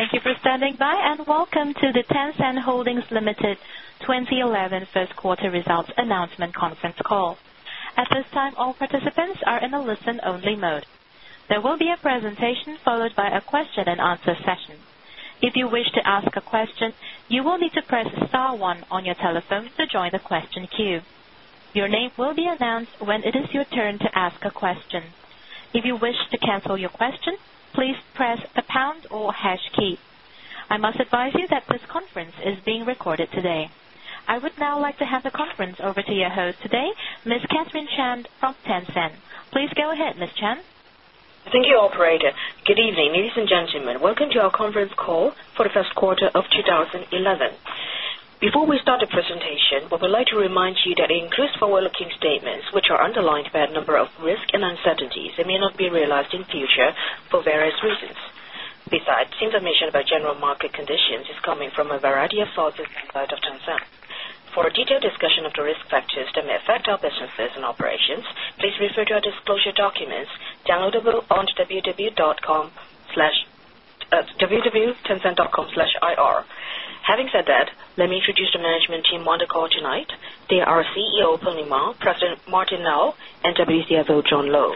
Thank you for standing by and welcome to the Tencent Holdings Limited 2011 First Quarter Results Announcement conference call. At this time, all participants are in a listen-only mode. There will be a presentation followed by a question and answer session. If you wish to ask a question, you will need to press star one on your telephone to join the question queue. Your name will be announced when it is your turn to ask a question. If you wish to cancel your question, please press the pound or hash key. I must advise you that this conference is being recorded today. I would now like to hand the conference over to your host today, Ms. Catherine Chan from Tencent. Please go ahead, Ms. Chan. Thank you, Operator. Good evening, ladies and gentlemen. Welcome to our conference call for the first quarter of 2011. Before we start the presentation, we would like to remind you that we include forward-looking statements, which are underlined by a number of risks and uncertainties that may not be realized in the future for various reasons. Besides, information about general market conditions is coming from a variety of sources inside of Tencent. For a detailed discussion of the risk factors that may affect our businesses and operations, please refer to our disclosure documents downloadable on www.tencent.com/ir. Having said that, let me introduce the management team on the call tonight. They are CEO Pony Ma, President Martin Lau, and WCFO John Lo.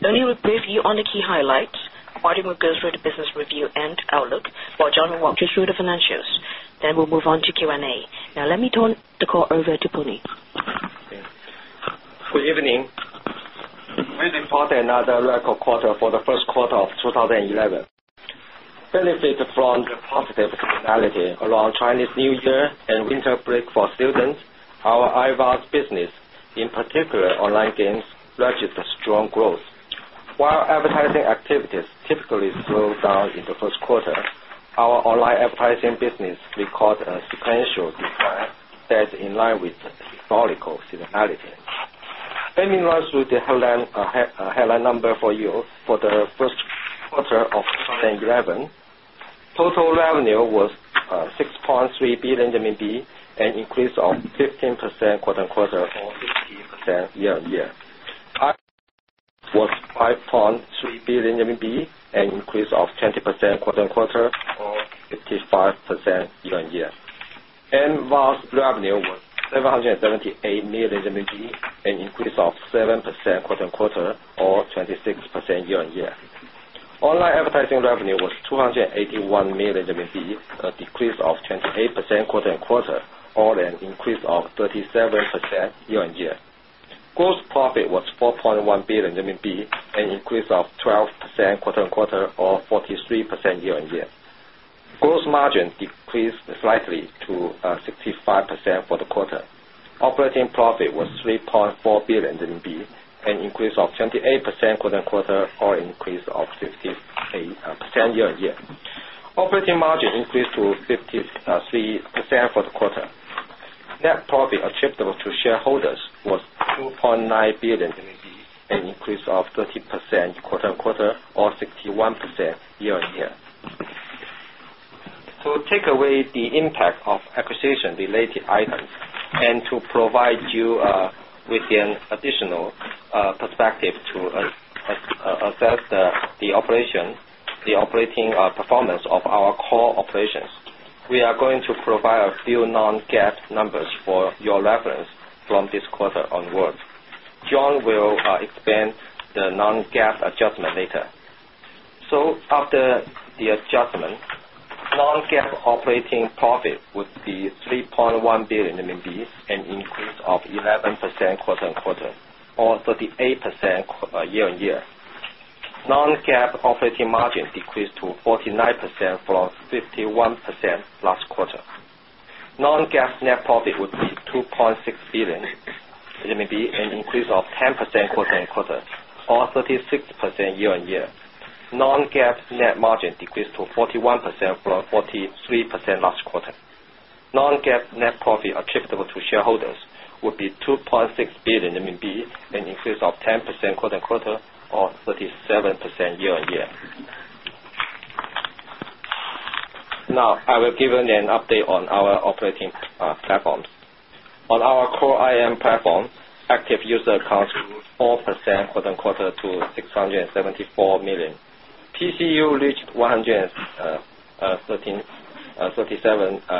Let me brief you on the key highlights. Martin will go through the business review and outlook, while John will walk you through the financials. Then we will move on to Q&A. Now, let me turn the call over to Pony. Good evening. We report another record quarter for the first quarter of 2011. Benefiting from the positive reality around Chinese New Year and winter break for students, our iVAS business, in particular online games, registered strong growth. While advertising activities typically slow down in the first quarter, our online advertising business recorded a sequential decline in line with historical seasonality. Let me run through the headline numbers for you for the first quarter of 2011. Total revenue was 6.3 billion RMB, an increase of 15% quarter-on-quarter or 15% year-on-year. Cost was 5.3 billion, an increase of 20% quarter-on-quarter or 55% year-on-year. MVAS revenue was 778 million, an increase of 7% quarter-on-quarter or 26% year-on-year. Online advertising revenue was 281 million RMB, a decrease of 28% quarter-on-quarter, or an increase of 37% year-on-year. Gross profit was 4.1 billion, an increase of 12% quarter-on-quarter or 43% year-on-year. Gross margin decreased slightly to 65% for the quarter. Operating profit was 3.4 billion RMB, an increase of 28% quarter-on-quarter or an increase of 58% year-on-year. Operating margin increased to 53% for the quarter. Net profit attributable to shareholders was 2.9 billion, an increase of 30% quarter-on-quarter or 61% year-on-year. To take away the impact of acquisition-related items and to provide you with an additional perspective to assess the operation, the operating performance of our core operations, we are going to provide a few non-GAAP numbers for your reference from this quarter onwards. John will explain the non-GAAP adjustment later. After the adjustment, non-GAAP operating profit would be 3.1 billion RMB, an increase of 11% quarter-on-quarter or 38% year-on-year. Non-GAAP operating margin decreased to 49% from 51% last quarter. Non-GAAP net profit would be 2.6 billion, an increase of 10% quarter-on-quarter or 36% year-on-year. Non-GAAP net margin decreased to 41% from 43% last quarter. Non-GAAP net profit attributable to shareholders would be 2.6 billion, an increase of 10% quarter-on-quarter or 37% year-on-year. Now, I will give you an update on our operating platform. On our core IM platform, active user accounts grew 4% quarter-on-quarter to 674 million. TCU reached 137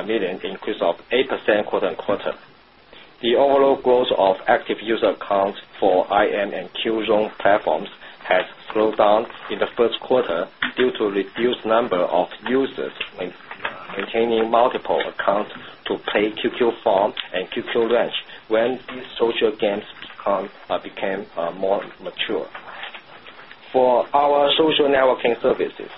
million, an increase of 8% quarter-on-quarter. The overall growth of active user accounts for IM and Qzone platforms has slowed down in the first quarter due to a reduced number of users maintaining multiple accounts to play QQ Farm and QQ Ranch when these social games became more mature. For our social networking services,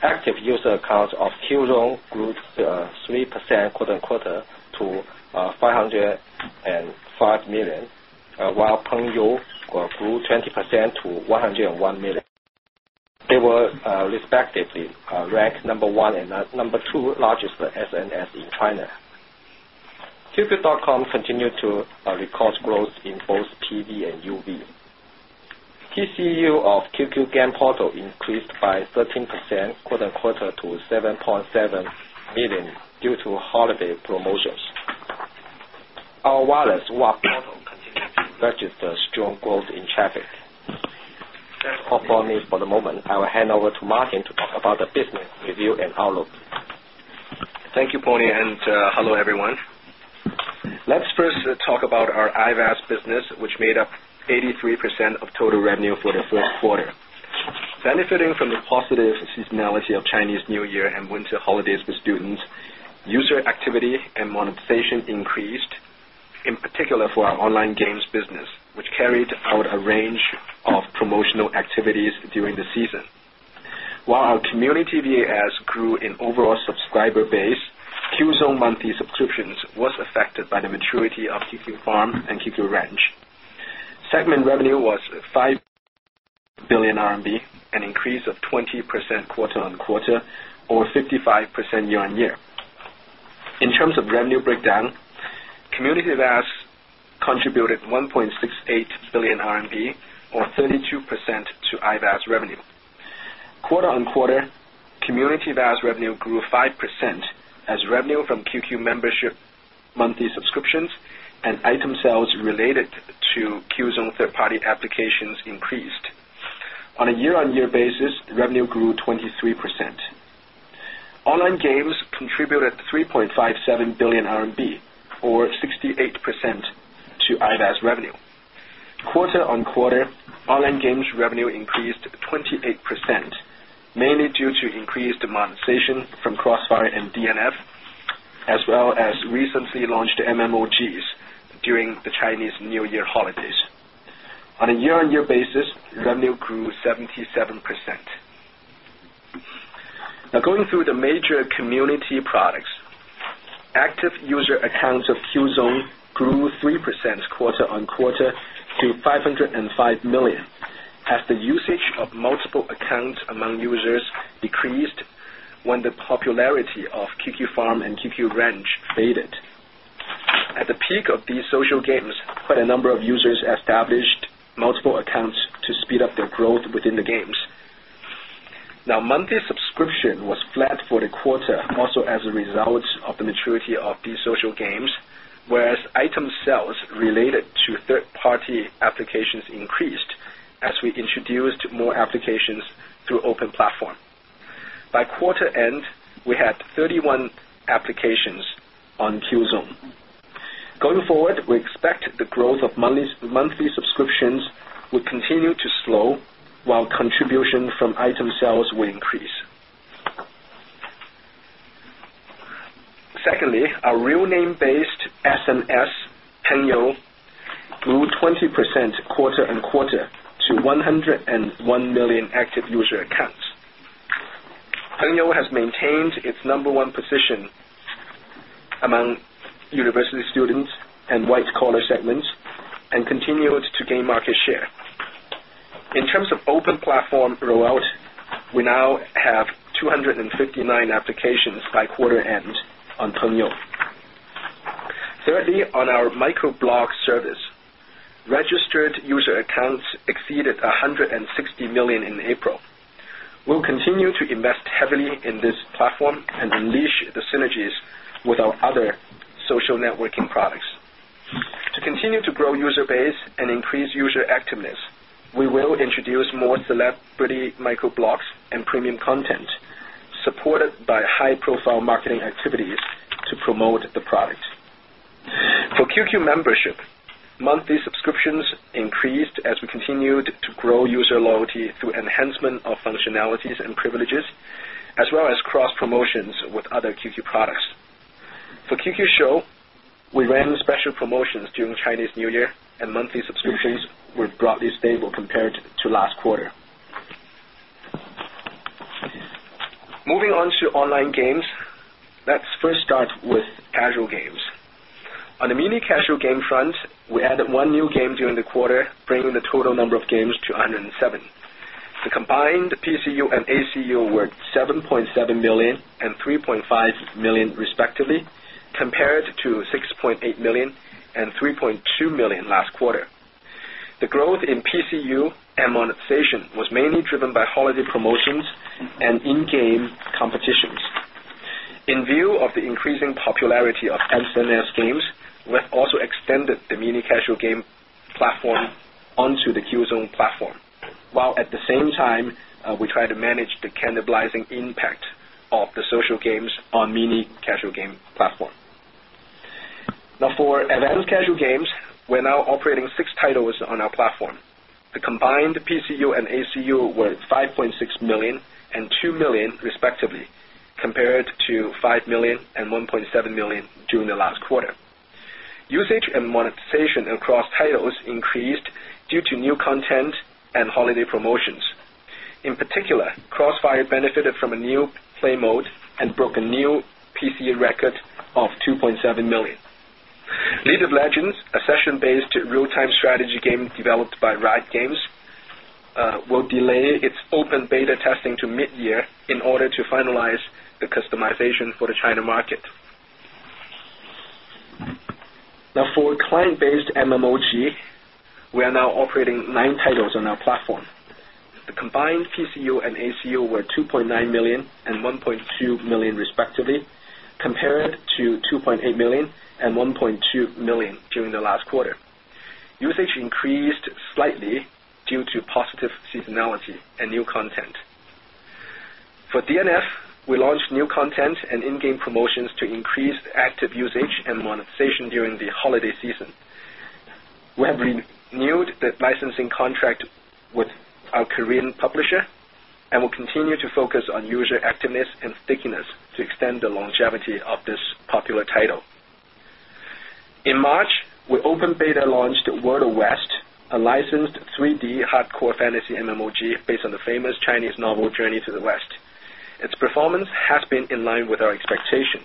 active user accounts of Qzone grew 3% quarter-on-quarter to 505 million, while Pengyou grew 20% to 101 million. They were respectively ranked number one and number two largest SNS in China. QQ.com continued to record growth in both TV and UV. PCU of QQ Game Portal increased by 13% quarter-on-quarter to 7.7 million due to holiday promotions. Our wireless WAP portal continues to register strong growth in traffic. That's all for me for the moment. I will hand over to Martin to talk about the business review and outlook. Thank you, Pony, and hello, everyone. Let's first talk about our iVAS business, which made up 83% of total revenue for the first quarter. Benefiting from the positive seasonality of Chinese New Year and winter holidays for students, user activity and monetization increased, in particular for our online games business, which carried out a range of promotional activities during the season. While our community VAS grew in overall subscriber base, Qzone monthly subscriptions were affected by the maturity of QQ Farm and QQ Ranch. Segment revenue was 5 billion RMB, an increase of 20% quarter-on-quarter or 55% year-on-year. In terms of revenue breakdown, community VAS contributed 1.68 billion RMB or 32% to iVAS revenue. Quarter-on-quarter, community VAS revenue grew 5% as revenue from QQ membership monthly subscriptions and item sales related to Qzone third-party applications increased. On a year-on-year basis, revenue grew 23%. Online games contributed 3.57 billion RMB or 68% to iVAS revenue. Quarter-on-quarter, online games revenue increased 28%, mainly due to increased monetization from CrossFire and DNF, as well as recently launched MMOGs during the Chinese New Year holidays. On a year-on-year basis, revenue grew 77%. Now, going through the major community products, active user accounts of Qzone grew 3% quarter-on-quarter to 505 million. Has the usage of multiple accounts among users decreased when the popularity of QQ Farm and Q Ranch faded? At the peak of these social games, quite a number of users established multiple accounts to speed up their growth within the games. Now, monthly subscription was flat for the quarter, also as a result of the maturity of these social games, whereas item sales related to third-party applications increased as we introduced more applications through open platform. By quarter end, we had 31 applications on Qzone. Going forward, we expect the growth of monthly subscriptions would continue to slow while contributions from item sales will increase. Secondly, our real-name-based SNS, Pengyou, grew 20% quarter-on-quarter to 101 million active user accounts. Pengyou has maintained its number one position among university students and white-collar segments and continued to gain market share. In terms of open platform rollout, we now have 259 applications by quarter end on Pengyou. Thirdly, on our microblog service, registered user accounts exceeded 160 million in April. We'll continue to invest heavily in this platform and unleash the synergies with our other social networking products. To continue to grow user base and increase user activeness, we will introduce more celebrity microblogs and premium content supported by high-profile marketing activities to promote the product. For QQ membership, monthly subscriptions increased as we continued to grow user loyalty through enhancement of functionalities and privileges, as well as cross-promotions with other QQ products. For QQ Show, we ran special promotions during Chinese New Year, and monthly subscriptions were broadly stable compared to last quarter. Moving on to online games, let's first start with casual games. On the mini-casual game front, we added one new game during the quarter, bringing the total number of games to 107. The combined PCU and ACU were 7.7 million and 3.5 million, respectively, compared to 6.8 million and 3.2 million last quarter. The growth in PCU and monetization was mainly driven by holiday promotions and in-game competitions. In view of the increasing popularity of SNS games, we've also extended the mini-casual game platform onto the Qzone platform, while at the same time, we try to manage the cannibalizing impact of the social games on the mini-casual game platform. Now, for advanced casual games, we're now operating six titles on our platform. The combined PCU and ACU were 5.6 million and 2 million, respectively, compared to 5 million and 1.7 million during the last quarter. Usage and monetization across titles increased due to new content and holiday promotions. In particular, CrossFire benefited from a new play mode and broke a new PCU record of 2.7 million. League of Legends, a session-based real-time strategy game developed by Riot Games, will delay its open beta testing to mid-year in order to finalize the customization for the China market. Now, for client-based MMOG, we are now operating nine titles on our platform. The combined PCU and ACU were 2.9 million and 1.2 million, respectively, compared to 2.8 million and 1.2 million during the last quarter. Usage increased slightly due to positive seasonality and new content. For DNF, we launched new content and in-game promotions to increase active usage and monetization during the holiday season. We have renewed the licensing contract with our Korean publisher and will continue to focus on user activeness and stickiness to extend the longevity of this popular title. In March, we open beta launched World of West, a licensed 3D hardcore fantasy MMOG based on the famous Chinese novel Journey to the West. Its performance has been in line with our expectation.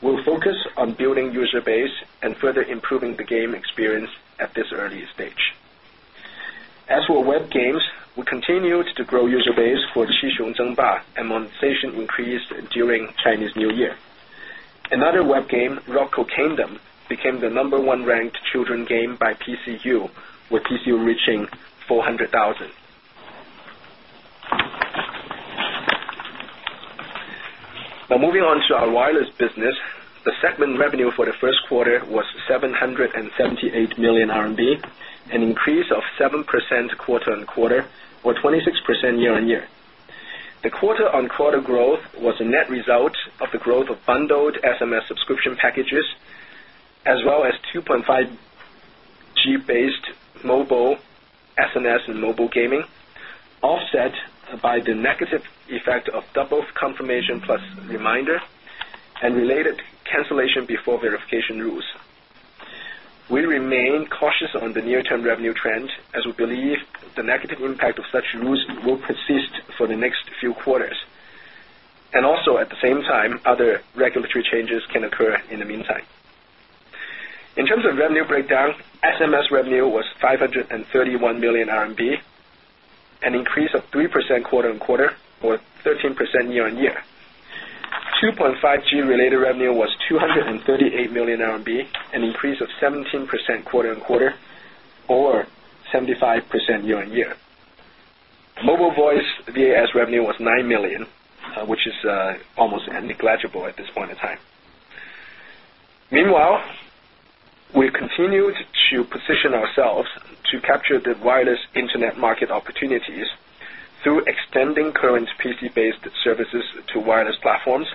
We'll focus on building user base and further improving the game experience at this early stage. As for web games, we continued to grow user base for Qi Xiong Zhen Ba and monetization increased during Chinese New Year. Another web game, Roco Kingdom, became the number one ranked children game by PCU, with PCU reaching 400,000. Now, moving on to our wireless business, the segment revenue for the first quarter was 778 million RMB, an increase of 7% quarter-on-quarter or 26% year-on-year. The quarter-on-quarter growth was a net result of the growth of bundled SMS subscription packages, as well as 2.5G-based mobile SMS and mobile gaming, offset by the negative effect of double confirmation plus reminder and related cancellation before verification rules. We remain cautious on the near-term revenue trends, as we believe the negative impact of such rules will persist for the next few quarters. At the same time, other regulatory changes can occur in the meantime. In terms of revenue breakdown, SMS revenue was 531 million RMB, an increase of 3% quarter-on-quarter or 13% year-on-year. 2.5G related revenue was 238 million RMB, an increase of 17% quarter-on-quarter or 75% year-on-year. Mobile voice VAS revenue was 9 million, which is almost negligible at this point in time. Meanwhile, we continued to position ourselves to capture the wireless internet market opportunities through extending current PC-based services to wireless platforms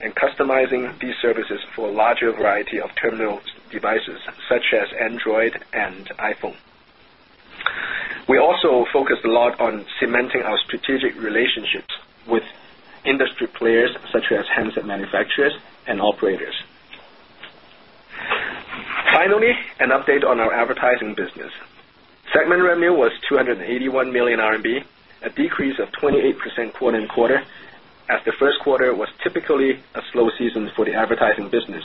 and customizing these services for a larger variety of terminal devices, such as Android and iPhone. We also focused a lot on cementing our strategic relationships with industry players such as handset manufacturers and operators. Finally, an update on our advertising business. Segment revenue was 281 million RMB, a decrease of 28% quarter-on-quarter, as the first quarter was typically a slow season for the advertising business,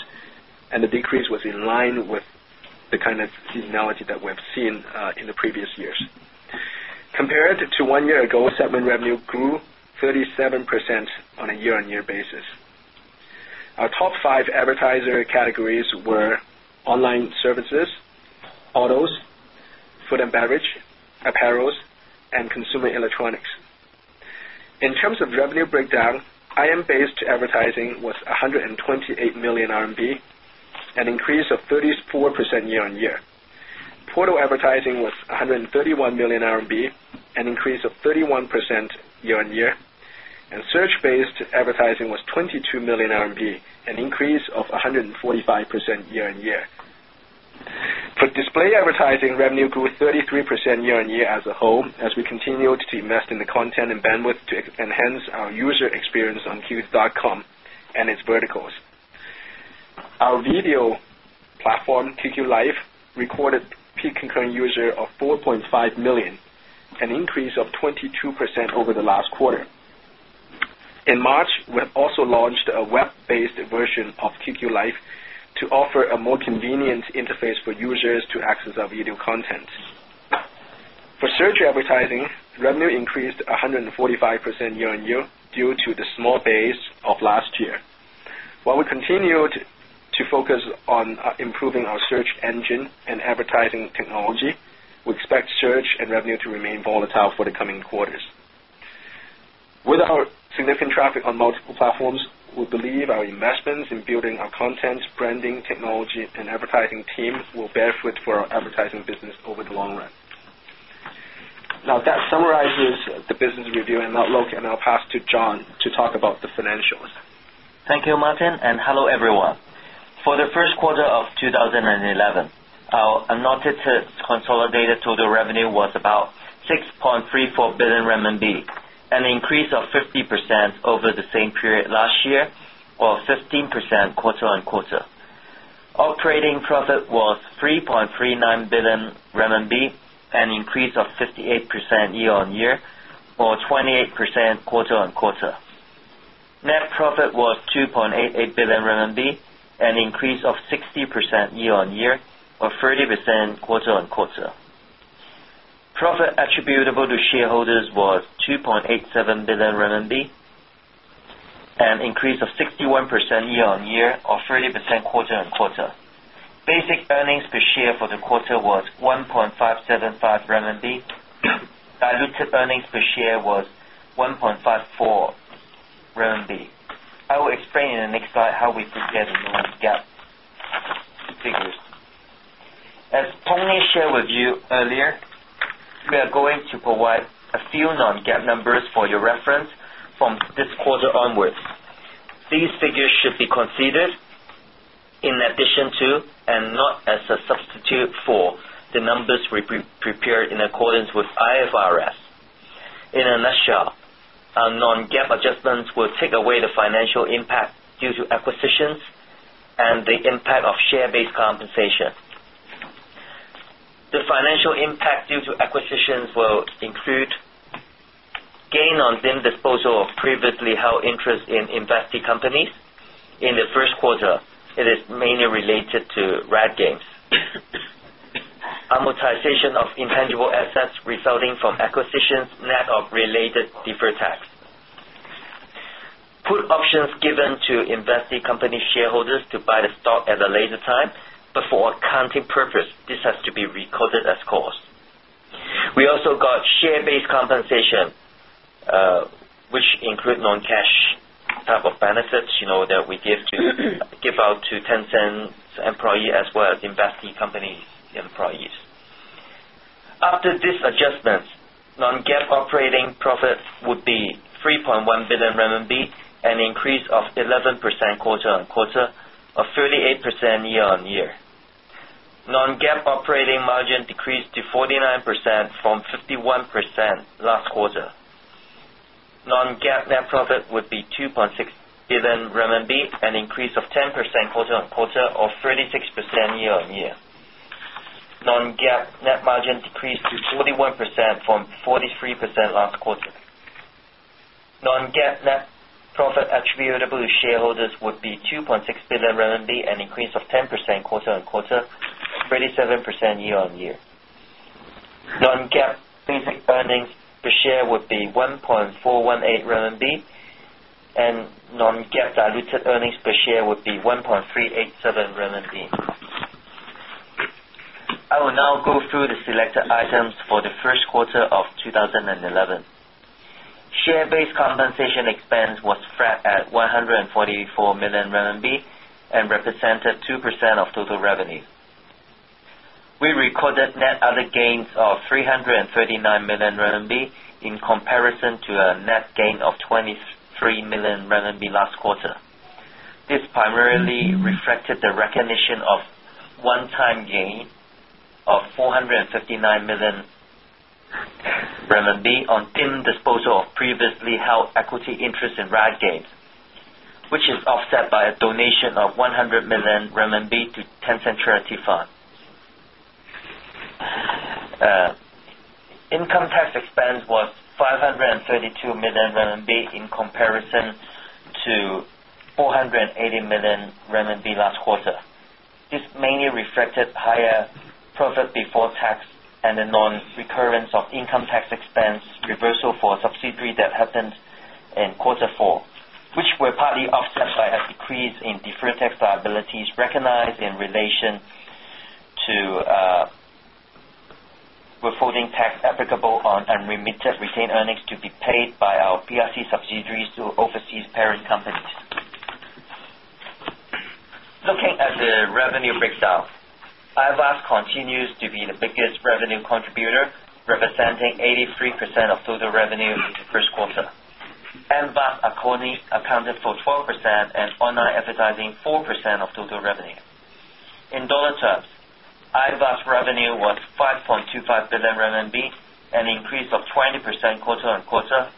and the decrease was in line with the kind of seasonality that we've seen in the previous years. Compared to one year ago, segment revenue grew 37% on a year-on-year basis. Our top five advertiser categories were online services, autos, food and beverage, apparels, and consumer electronics. In terms of revenue breakdown, IM-based advertising was 128 million RMB, an increase of 34% year-on-year. Portal advertising was 131 million RMB, an increase of 31% year-on-year. Search-based advertising was 22 million RMB, an increase of 145% year-on-year. For display advertising, revenue grew 33% year-on-year as a whole, as we continued to invest in the content and bandwidth to enhance our user experience on QQ.com and its verticals. Our video platform, QQ Live, recorded peak concurrent user of 4.5 million, an increase of 22% over the last quarter. In March, we have also launched a web-based version of QQ Live to offer a more convenient interface for users to access our video content. For search advertising, revenue increased 145% year-on-year due to the small base of last year. While we continued to focus on improving our search engine and advertising technology, we expect search and revenue to remain volatile for the coming quarters. With our significant traffic on multiple platforms, we believe our investments in building our content, branding, technology, and advertising team will benefit our advertising business over the long run. That summarizes the business review and outlook, and I'll pass to John to talk about the financials. Thank you, Martin, and hello, everyone. For the first quarter of 2011, our unaudited consolidated total revenue was about 6.34 billion RMB, an increase of 50% over the same period last year or 15% quarter-on-quarter. Our trading profit was 3.39 billion RMB, an increase of 58% year-on-year or 28% quarter-on-quarter. Net profit was 2.88 billion RMB, an increase of 60% year-on-year or 30% quarter-on-quarter. Profit attributable to shareholders was 2.87 billion RMB, an increase of 61% year-on-year or 30% quarter-on-quarter. Basic earnings per share for the quarter was 1.575 RMB. Diluted earnings per share was 1.54 RMB. I will explain in the next slide how we figure the non-GAAP figures. As Pony shared with you earlier, we are going to provide a few non-GAAP numbers for your reference from this quarter onwards. These figures should be considered in addition to and not as a substitute for the numbers we prepared in accordance with IFRS. In a nutshell, our non-GAAP adjustments will take away the financial impact due to acquisitions and the impact of share-based compensation. The financial impact due to acquisitions will include gain on disposal of previously held interest in investee companies. In the first quarter, it is mainly related to Riot Games. Amortization of intangible assets resulting from acquisitions net of related deferred tax. Put options given to investee company shareholders to buy the stock at a later time but for accounting purpose, this has to be recorded as cost. We also got share-based compensation, which includes non-cash type of benefits that we give out to Tencent's employees as well as investee companies' employees. After this adjustment, non-GAAP operating profit would be 3.1 billion RMB, an increase of 11% quarter-on-quarter or 38% year-on-year. Non-GAAP operating margin decreased to 49% from 51% last quarter. Non-GAAP net profit would be 2.6 billion RMB, an increase of 10% quarter-on-quarter or 36% year-on-year. Non-GAAP net margin decreased to 41% from 43% last quarter. Non-GAAP net profit attributable to shareholders would be 2.6 billion RMB, an increase of 10% quarter-on-quarter, 37% year-on-year. Non-GAAP earnings per share would be 1.418 RMB, and non-GAAP diluted earnings per share would be 1.387 RMB. I will now go through the selected items for the first quarter of 2011. Share-based compensation expense was flat at 144 million RMB and represented 2% of total revenue. We recorded net other gains of 339 million RMB in comparison to a net gain of 23 million RMB last quarter. This primarily reflected the recognition of a one-time gain of 459 million RMB on the disposal of previously held equity interest in Riot Games, which is offset by a donation of 100 million renminbi to Tencent Charity Fund. Income tax expense was 532 million RMB in comparison to 480 million RMB last quarter. This mainly reflected higher profit before tax and the non-recurrence of income tax expense reversal for a subsidiary that happened in quarter four, which were partly offset by a decrease in deferred tax liabilities recognized in relation to withholding tax applicable on unremitted retained earnings to be paid by our PRC subsidiaries to overseas parent companies. Looking at the revenue breakdown, iVAS continues to be the biggest revenue contributor, representing 83% of total revenue in the first quarter. MVAS accounted for 12% and online advertising 4% of total revenue. In dollar terms, iVAS's revenue was 5.25 billion RMB, an increase of 20% quarter-on-quarter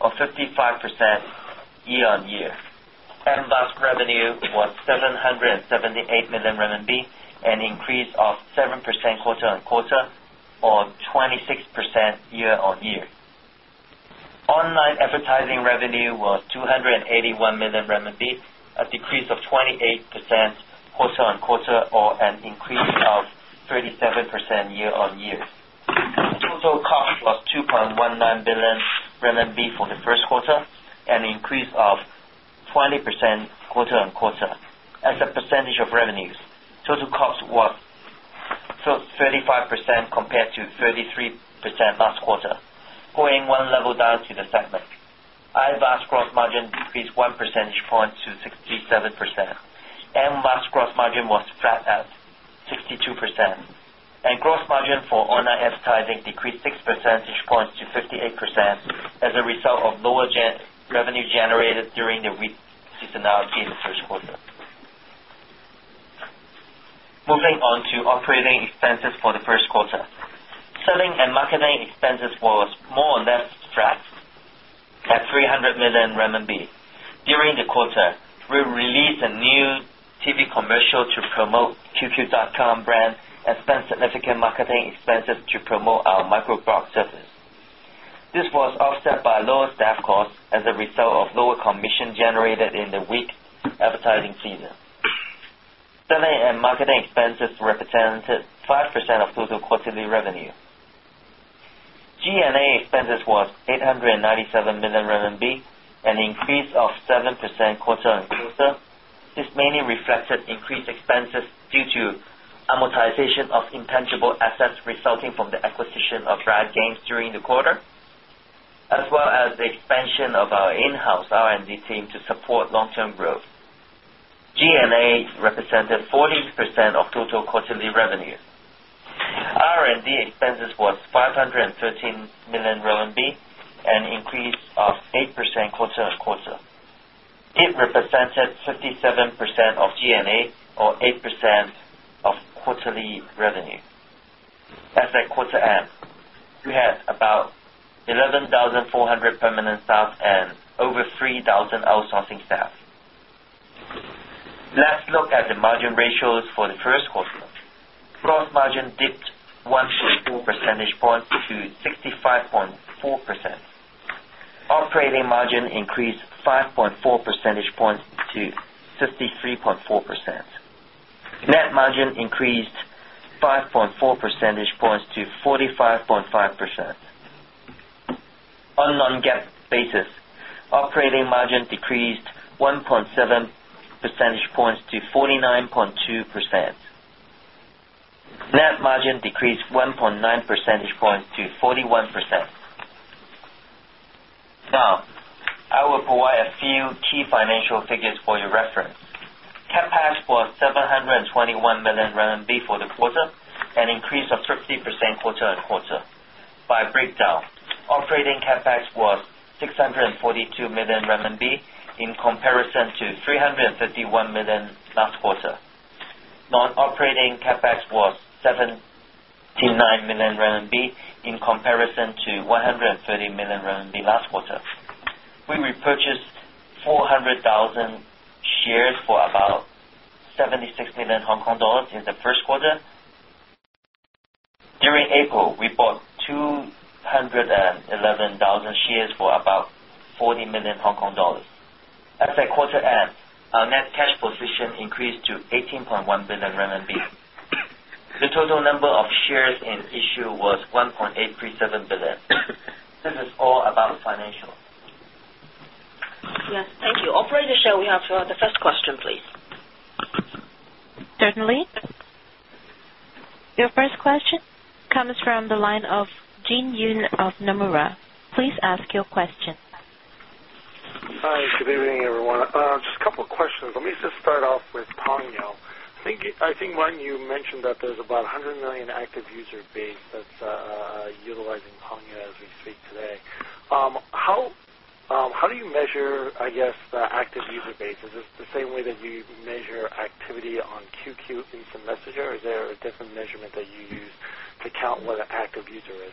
or 55% year-on-year. MVAS's revenue was 778 million RMB, an increase of 7% quarter-on-quarter or 26% year-on-year. Online advertising revenue was 281 million RMB, a decrease of 28% quarter-on-quarter or an increase of 37% year-on-year. Total cost was 2.19 billion RMB for the first quarter, an increase of 20% quarter-on-quarter. As a percentage of revenues, total cost was 35% compared to 33% last quarter, going one level down to the segment. iVAS's gross margin decreased 1 percentage point to 67%. MVAS's gross margin was flat at 62%. Gross margin for online advertising decreased 6 percentage points to 58% as a result of lower revenue generated during the weak seasonality in the first quarter. Moving on to operating expenses for the first quarter, selling and marketing expenses were more or less flat at 300 million RMB. During the quarter, we released a new TV commercial to promote the QQ.com brand and spent significant marketing expenses to promote our microblogging service. This was offset by lower staff costs as a result of lower commissions generated in the weak advertising season. Selling and marketing expenses represented 5% of total quarterly revenue. G&A expenses were RMB 897 million, an increase of 7% quarter-on-quarter. This mainly reflected increased expenses due to amortization of intangible assets resulting from the acquisition of Riot Games during the quarter, as well as the expansion of our in-house R&D team to support long-term growth. G&A represented 40% of total quarterly revenue. R&D expenses were 513 million RMB, an increase of 8% quarter-on-quarter. It represented 57% of G&A or 8% of quarterly revenue. As of quarter end, we had about 11,400 permanent staff and over 3,000 outsourcing staff. Let's look at the margin ratios for the first quarter. Gross margin dipped 1.64 percentage points to 65.4%. Operating margin increased 5.4 percentage points to 53.4%. Net margin increased 5.4 percentage points to 45.5%. On a non-GAAP basis, operating margin decreased 1.7 percentage points to 49.2%. Net margin decreased 1.9 percentage points to 41%. Now, I will provide a few key financial figures for your reference. CapEx was 721 million RMB for the quarter, an increase of 50% quarter-on-quarter. By breakdown, operating CapEx was RMB 642 million in comparison to RMB 331 million last quarter. Non-operating CapEx was 79 million RMB in comparison to 130 million RMB last quarter. We repurchased 400,000 shares for about 76 million Hong Kong dollars in the first quarter. During April, we bought 211,000 shares for about 40 million Hong Kong dollars. As of quarter end, our net cash position increased to 18.1 billion RMB. The total number of shares in Q2 was 1.837 billion. This is all about financial. Yes, thank you. Operator, we have the first question, please. Certainly. Your first question comes from the line of Jin Yoon of Nomura. Please ask your question. Hi. Good evening, everyone. Just a couple of questions. Let me just start off with Pengyouo. I think when you mentioned that there's about 100 million active user base that's utilizing Pengyou as we speak today, how do you measure, I guess, the active user base? Is this the same way that you measure activity on QQ, Insta, Messenger, or is there a different measurement that you use to count what an active user is?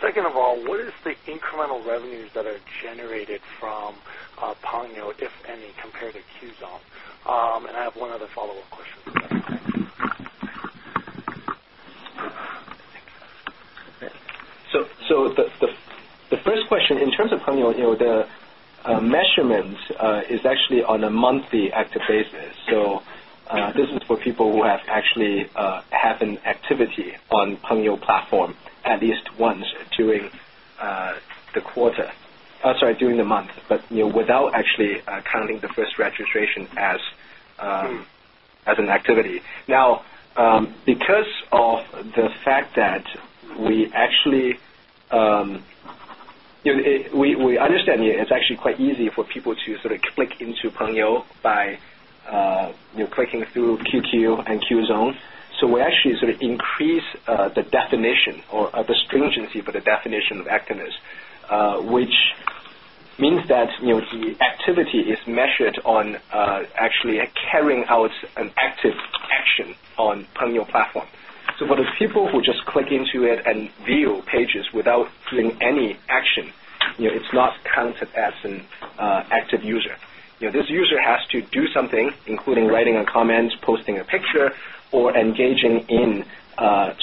What is the incremental revenues that are generated from Pengyou, if any, compared to Qzone? I have one other follow-up question for that. Okay. The first question, in terms of Pengyou, the measurement is actually on a monthly active basis. This is for people who have actually had an activity on Pengyou platform at least once during the month, without actually counting the first registration as an activity. Because of the fact that we understand it's actually quite easy for people to sort of click into Pengyou by clicking through QQ and Qzone, we actually increase the definition or the stringency for the definition of activist, which means that the activity is measured on actually carrying out an active action on Pengyou platform. For the people who just click into it and view pages without doing any action, it's not counted as an active user. This user has to do something, including writing a comment, posting a picture, or engaging in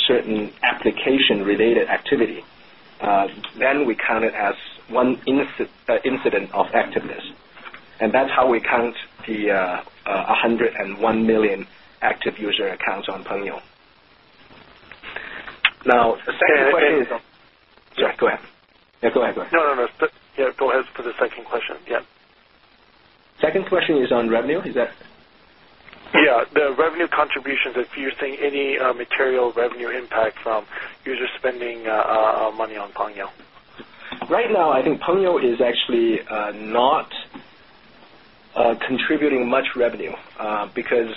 certain application-related activity. We count it as one incident of activist. That's how we count the 101 million active user accounts on Pengyou. The second question is on. Sorry, go ahead. Yeah, go ahead. Yeah, go ahead. For the second question, yeah. Second question is on revenue. Is that? Yeah, the revenue contributions, if you're seeing any material revenue impact from users spending money on Pengyou. Right now, I think Pengyou is actually not contributing much revenue because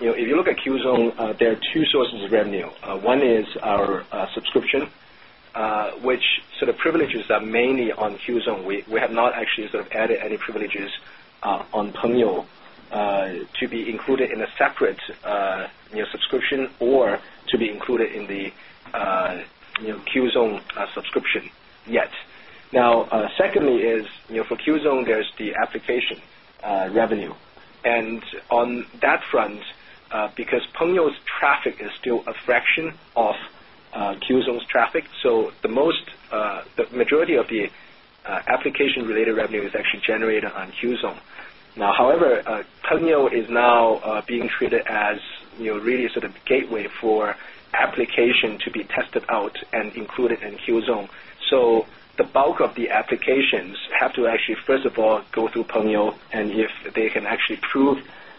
if you look at Qzone, there are two sources of revenue. One is our subscription, which sort of privileges are mainly on Qzone. We have not actually sort of added any privileges on Pengyou to be included in a separate subscription or to be included in the Qzone subscription yet. Secondly, for Qzone, there's the application revenue. On that front, because Pengyou's traffic is still a fraction of Qzone's traffic, the majority of the application-related revenue is actually generated on Qzone. However, Pengyou is now being treated as really sort of a gateway for application to be tested out and included in Qzone. The bulk of the applications have to actually, first of all, go through Pengyou, and if they can actually prove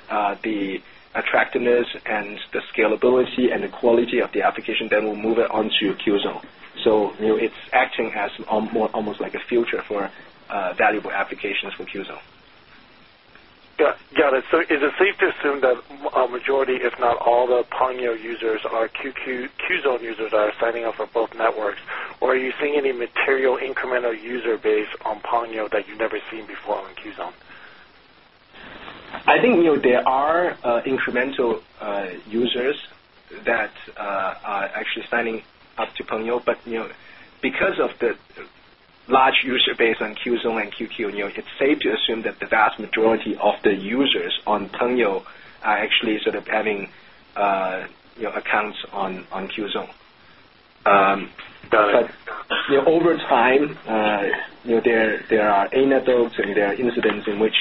the attractiveness and the scalability and the quality of the application, then we'll move it on to Qzone. It's acting as almost like a future for valuable applications from Qzone. Got it. Is it safe to assume that a majority, if not all, the Pengyou users are Qzone users that are signing up for both networks, or are you seeing any material incremental user base on Pengyou that you've never seen before on Qzone? I think there are incremental users that are actually signing up to Pengyou, but because of the large user base on Qzone and QQ, it's safe to assume that the vast majority of the users on Pengyou are actually sort of having accounts on Qzone. Got it. Over time, there are anecdotes and there are incidents in which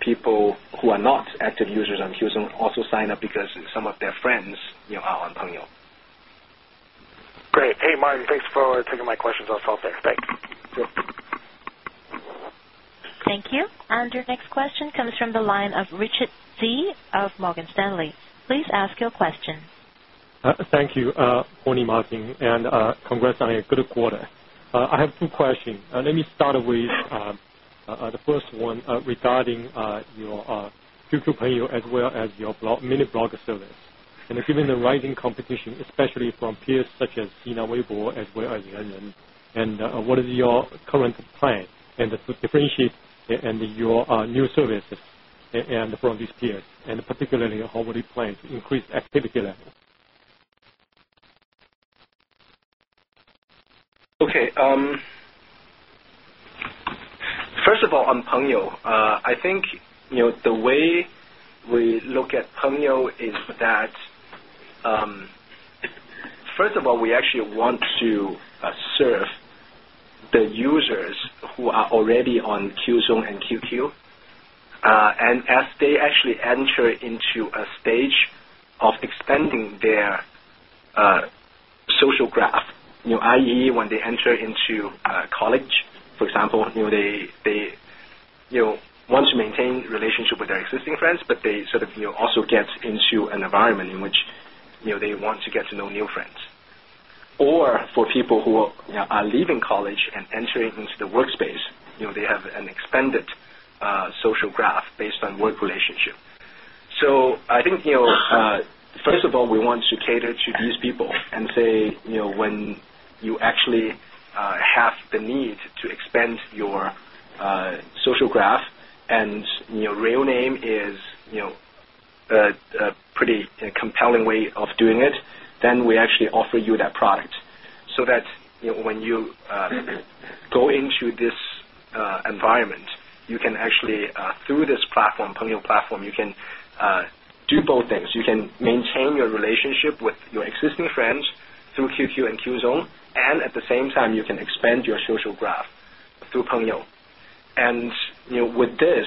people who are not active users on Qzone also sign up because some of their friends are on Pengyou. Great. Hey, Martin, thanks for taking my questions off the filter. Thanks. Yep. Thank you. Your next question comes from the line of Richard Xu of Morgan Stanley. Please ask your question. Thank you, Pony, Martin, and congrats on a good quarter. I have two questions. Let me start with the first one regarding your QQ, Pengyou, as well as your mini-blog service. Given the rising competition, especially from peers such as Sina Weibo as well as Renren, what is your current plan to differentiate your new services from these peers, and particularly how will you plan to increase the activity level? Okay. First of all, on Pengyou, I think the way we look at Pengyou is that, first of all, we actually want to serve the users who are already on Qzone and QQ. As they actually enter into a stage of expanding their social graph, i.e., when they enter into college, for example, they want to maintain a relationship with their existing friends, but they sort of also get into an environment in which they want to get to know new friends. For people who are leaving college and entering into the workspace, they have an expanded social graph based on work relationship. I think, first of all, we want to cater to these people and say, when you actually have the need to expand your social graph and your real name is a pretty compelling way of doing it, then we actually offer you that product so that when you go into this environment, you can actually, through this platform, Pengyou platform, you can do both things. You can maintain your relationship with your existing friends through QQ and Qzone, and at the same time, you can expand your social graph through Pengyou. With this,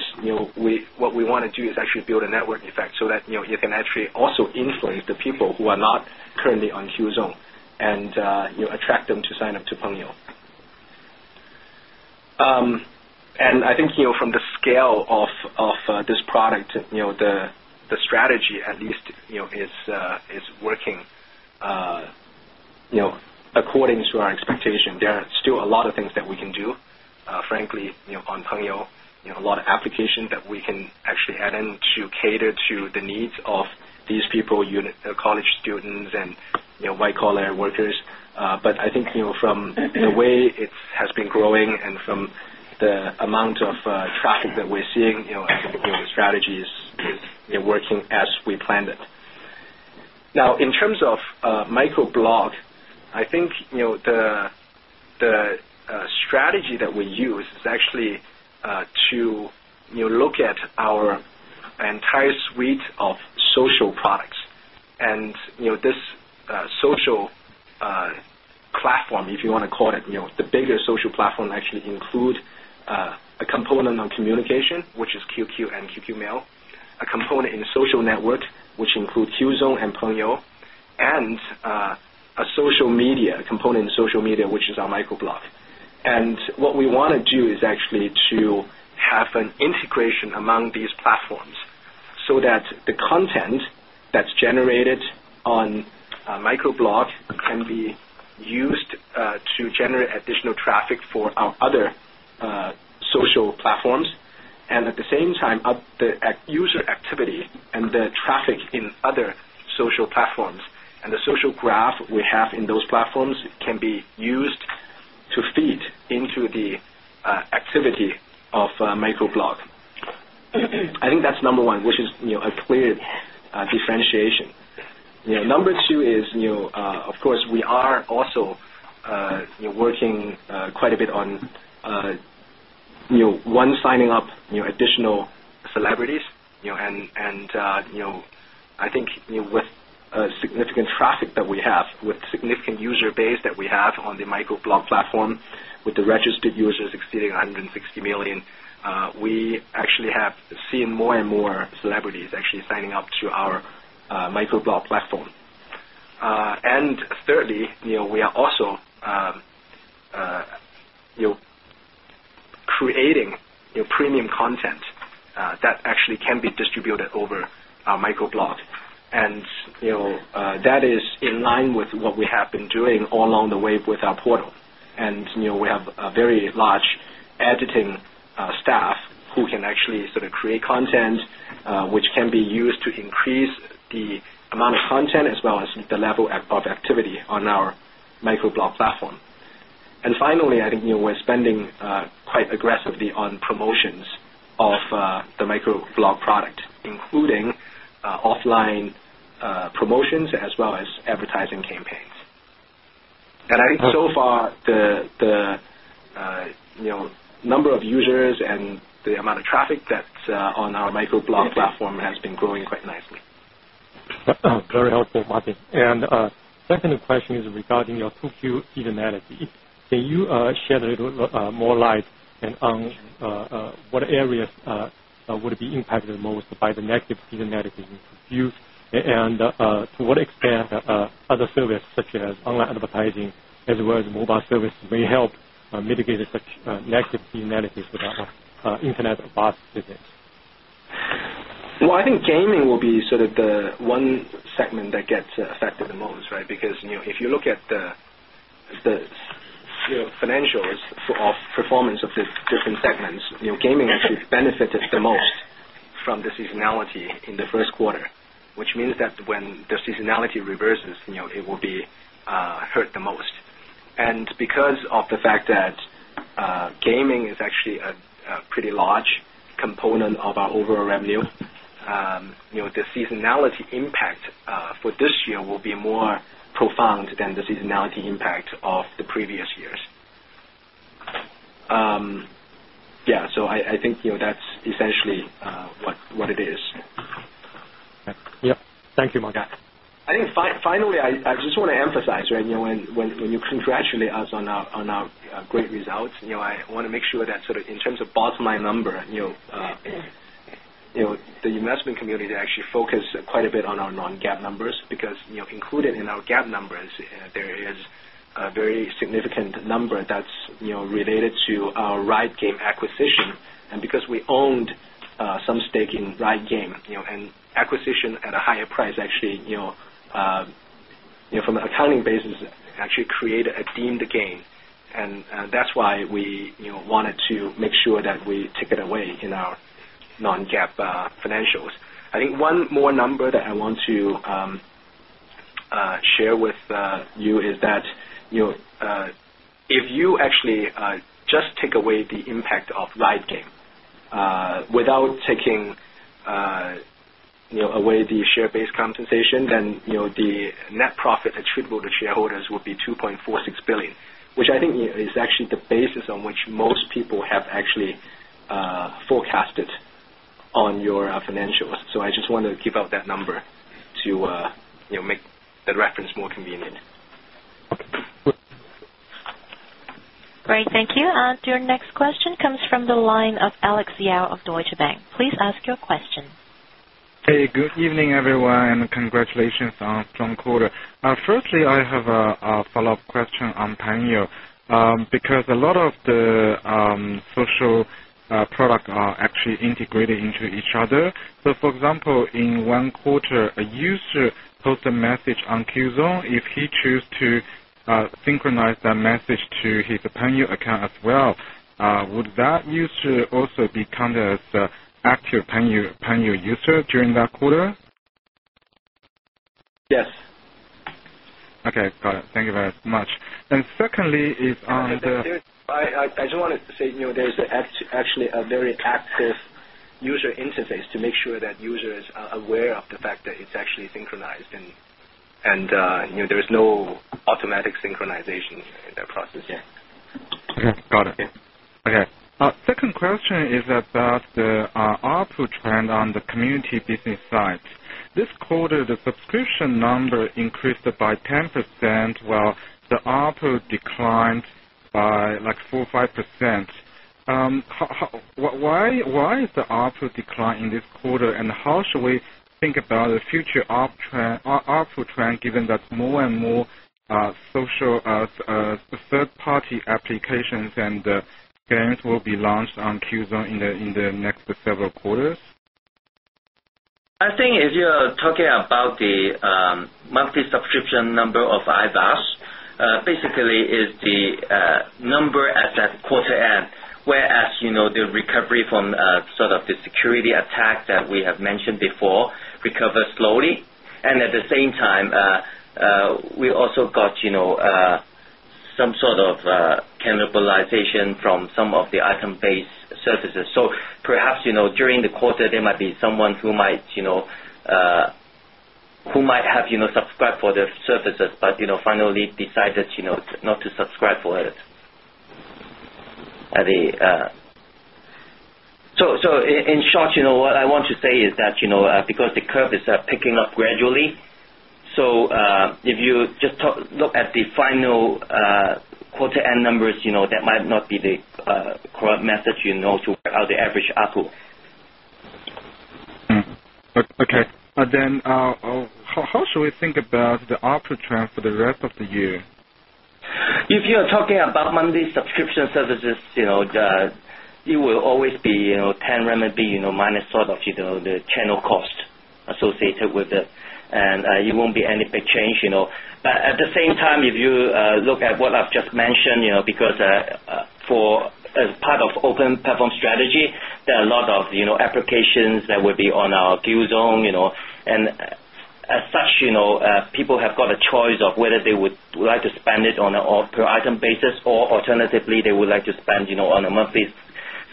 what we want to do is actually build a network effect so that you can actually also influence the people who are not currently on Qzone and attract them to sign up to Pengyou. I think from the scale of this product, the strategy at least is working according to our expectation. There are still a lot of things that we can do, frankly, on Pengyou, a lot of applications that we can actually add in to cater to the needs of these people, college students and white-collar workers. I think from the way it has been growing and from the amount of traffic that we're seeing, I think the strategy is working as we planned it. Now, in terms of microblog, I think the strategy that we use is actually to look at our entire suite of social products. This social platform, if you want to call it, the bigger social platform actually includes a component on communication, which is QQ and QQ Mail, a component in social network, which includes Qzone and Pengyou, and a component in social media, which is our microblog. What we want to do is actually have an integration among these platforms so that the content that's generated on microblog can be used to generate additional traffic for our other social platforms. At the same time, the user activity and the traffic in other social platforms and the social graph we have in those platforms can be used to feed into the activity of microblog. I think that's number one, which is a clear differentiation. Number two is, of course, we are also working quite a bit on, one, signing up additional celebrities. I think with significant traffic that we have, with a significant user base that we have on the microblog platform, with the registered users exceeding 160 million, we actually have seen more and more celebrities actually signing up to our microblog platform. Thirdly, we are also creating premium content that actually can be distributed over our microblog. That is in line with what we have been doing all along the way with our portal. We have a very large editing staff who can actually sort of create content, which can be used to increase the amount of content as well as the level of activity on our microblog platform. Finally, I think we're spending quite aggressively on promotions of the microblog product, including offline promotions as well as advertising campaigns. I think so far, the number of users and the amount of traffic that's on our microblog platform has been growing quite nicely. Very helpful, Martin. Second question is regarding your QQ seasonality. Can you shed a little more light on what areas would be impacted most by the negative seasonality in QQ, and to what extent other services such as online advertising as well as mobile services may help mitigate such negative seasonalities with our internet-about business? I think gaming will be sort of the one segment that gets affected the most, right? Because if you look at the financials of performance of these different segments, gaming actually benefited the most from the seasonality in the first quarter, which means that when the seasonality reverses, it will be hurt the most. Because of the fact that gaming is actually a pretty large component of our overall revenue, the seasonality impact for this year will be more profound than the seasonality impact of the previous years. Yeah, I think that's essentially what it is. Yep, thank you, Martin. I think finally, I just want to emphasize, right, when you congratulate us on our great results, I want to make sure that sort of in terms of bottom line number, the investment community actually focused quite a bit on our non-GAAP numbers because included in our GAAP numbers, there is a very significant number that's related to our Riot Games acquisition. Because we owned some stake in Riot Games, an acquisition at a higher price actually, from an accounting basis, actually created a deemed gain. That's why we wanted to make sure that we take it away in our non-GAAP financials. I think one more number that I want to share with you is that if you actually just take away the impact of Riot Games without taking away the share-based compensation, then the net profit attributable to shareholders would be 2.46 billion, which I think is actually the basis on which most people have actually forecasted on your financials. I just want to give out that number to make the reference more convenient. Great. Thank you. Your next question comes from the line of Alex Yao of Deutsche Bank. Please ask your question. Hey, good evening, everyone, and congratulations on the quarter. Firstly, I have a follow-up question on Pengyou because a lot of the social products are actually integrated into each other. For example, in one quarter, a user posts a message on Qzone. If he chooses to synchronize that message to his Pengyou account as well, would that user also be counted as an active Pengyou user during that quarter? Yes. Okay. Got it. Thank you very much. Secondly, is on the. I just wanted to say there's actually a very passive user interface to make sure that users are aware of the fact that it's actually synchronized, and there's no automatic synchronization in that process. Yeah. Got it. Okay. Our second question is about the ARPU trend on the community business side. This quarter, the subscription number increased by 10% while the ARPU declined by 4% or 5%. Why is the ARPU declined in this quarter, and how should we think about the future ARPU trend given that more and more social third-party applications and games will be launched on Qzone in the next several quarters? I think if you're talking about the monthly subscription number of iVAS, basically, it's the number at that quarter end, whereas the recovery from the security attacks that we have mentioned before recovered slowly. At the same time, we also got some cannibalization from some of the item-based services. Perhaps during the quarter, there might be someone who might have subscribed for the services but finally decided not to subscribe for it. In short, what I want to say is that because the curve is picking up gradually, if you just look at the final quarter-end numbers, that might not be the correct message to break out the average ARPU. How should we think about the ARPU trend for the rest of the year? If you're talking about monthly subscription services, it will always be 10 RMB minus the channel cost associated with it, and it won't be any big change. At the same time, if you look at what I've just mentioned, as part of open platform strategy, there are a lot of applications that will be on our Qzone. As such, people have got a choice of whether they would like to spend it on an all-item basis or alternatively, they would like to spend on a monthly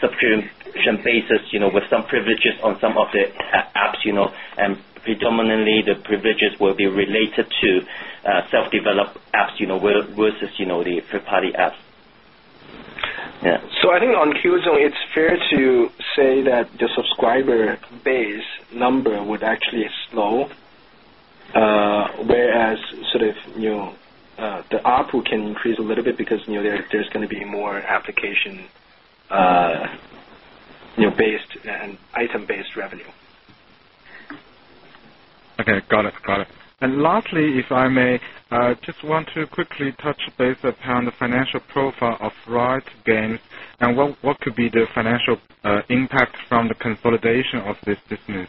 subscription basis with some privileges on some of the apps. Predominantly, the privileges will be related to self-developed apps versus the third-party apps. Yeah. I think on Qzone, it's fair to say that the subscriber base number would actually slow, whereas the ARPU can increase a little bit because there's going to be more application-based and item-based revenue. Okay. Got it. Got it. Lastly, if I may, I just want to quickly touch base upon the financial profile of Riot Games. What could be the financial impact from the consolidation of this business?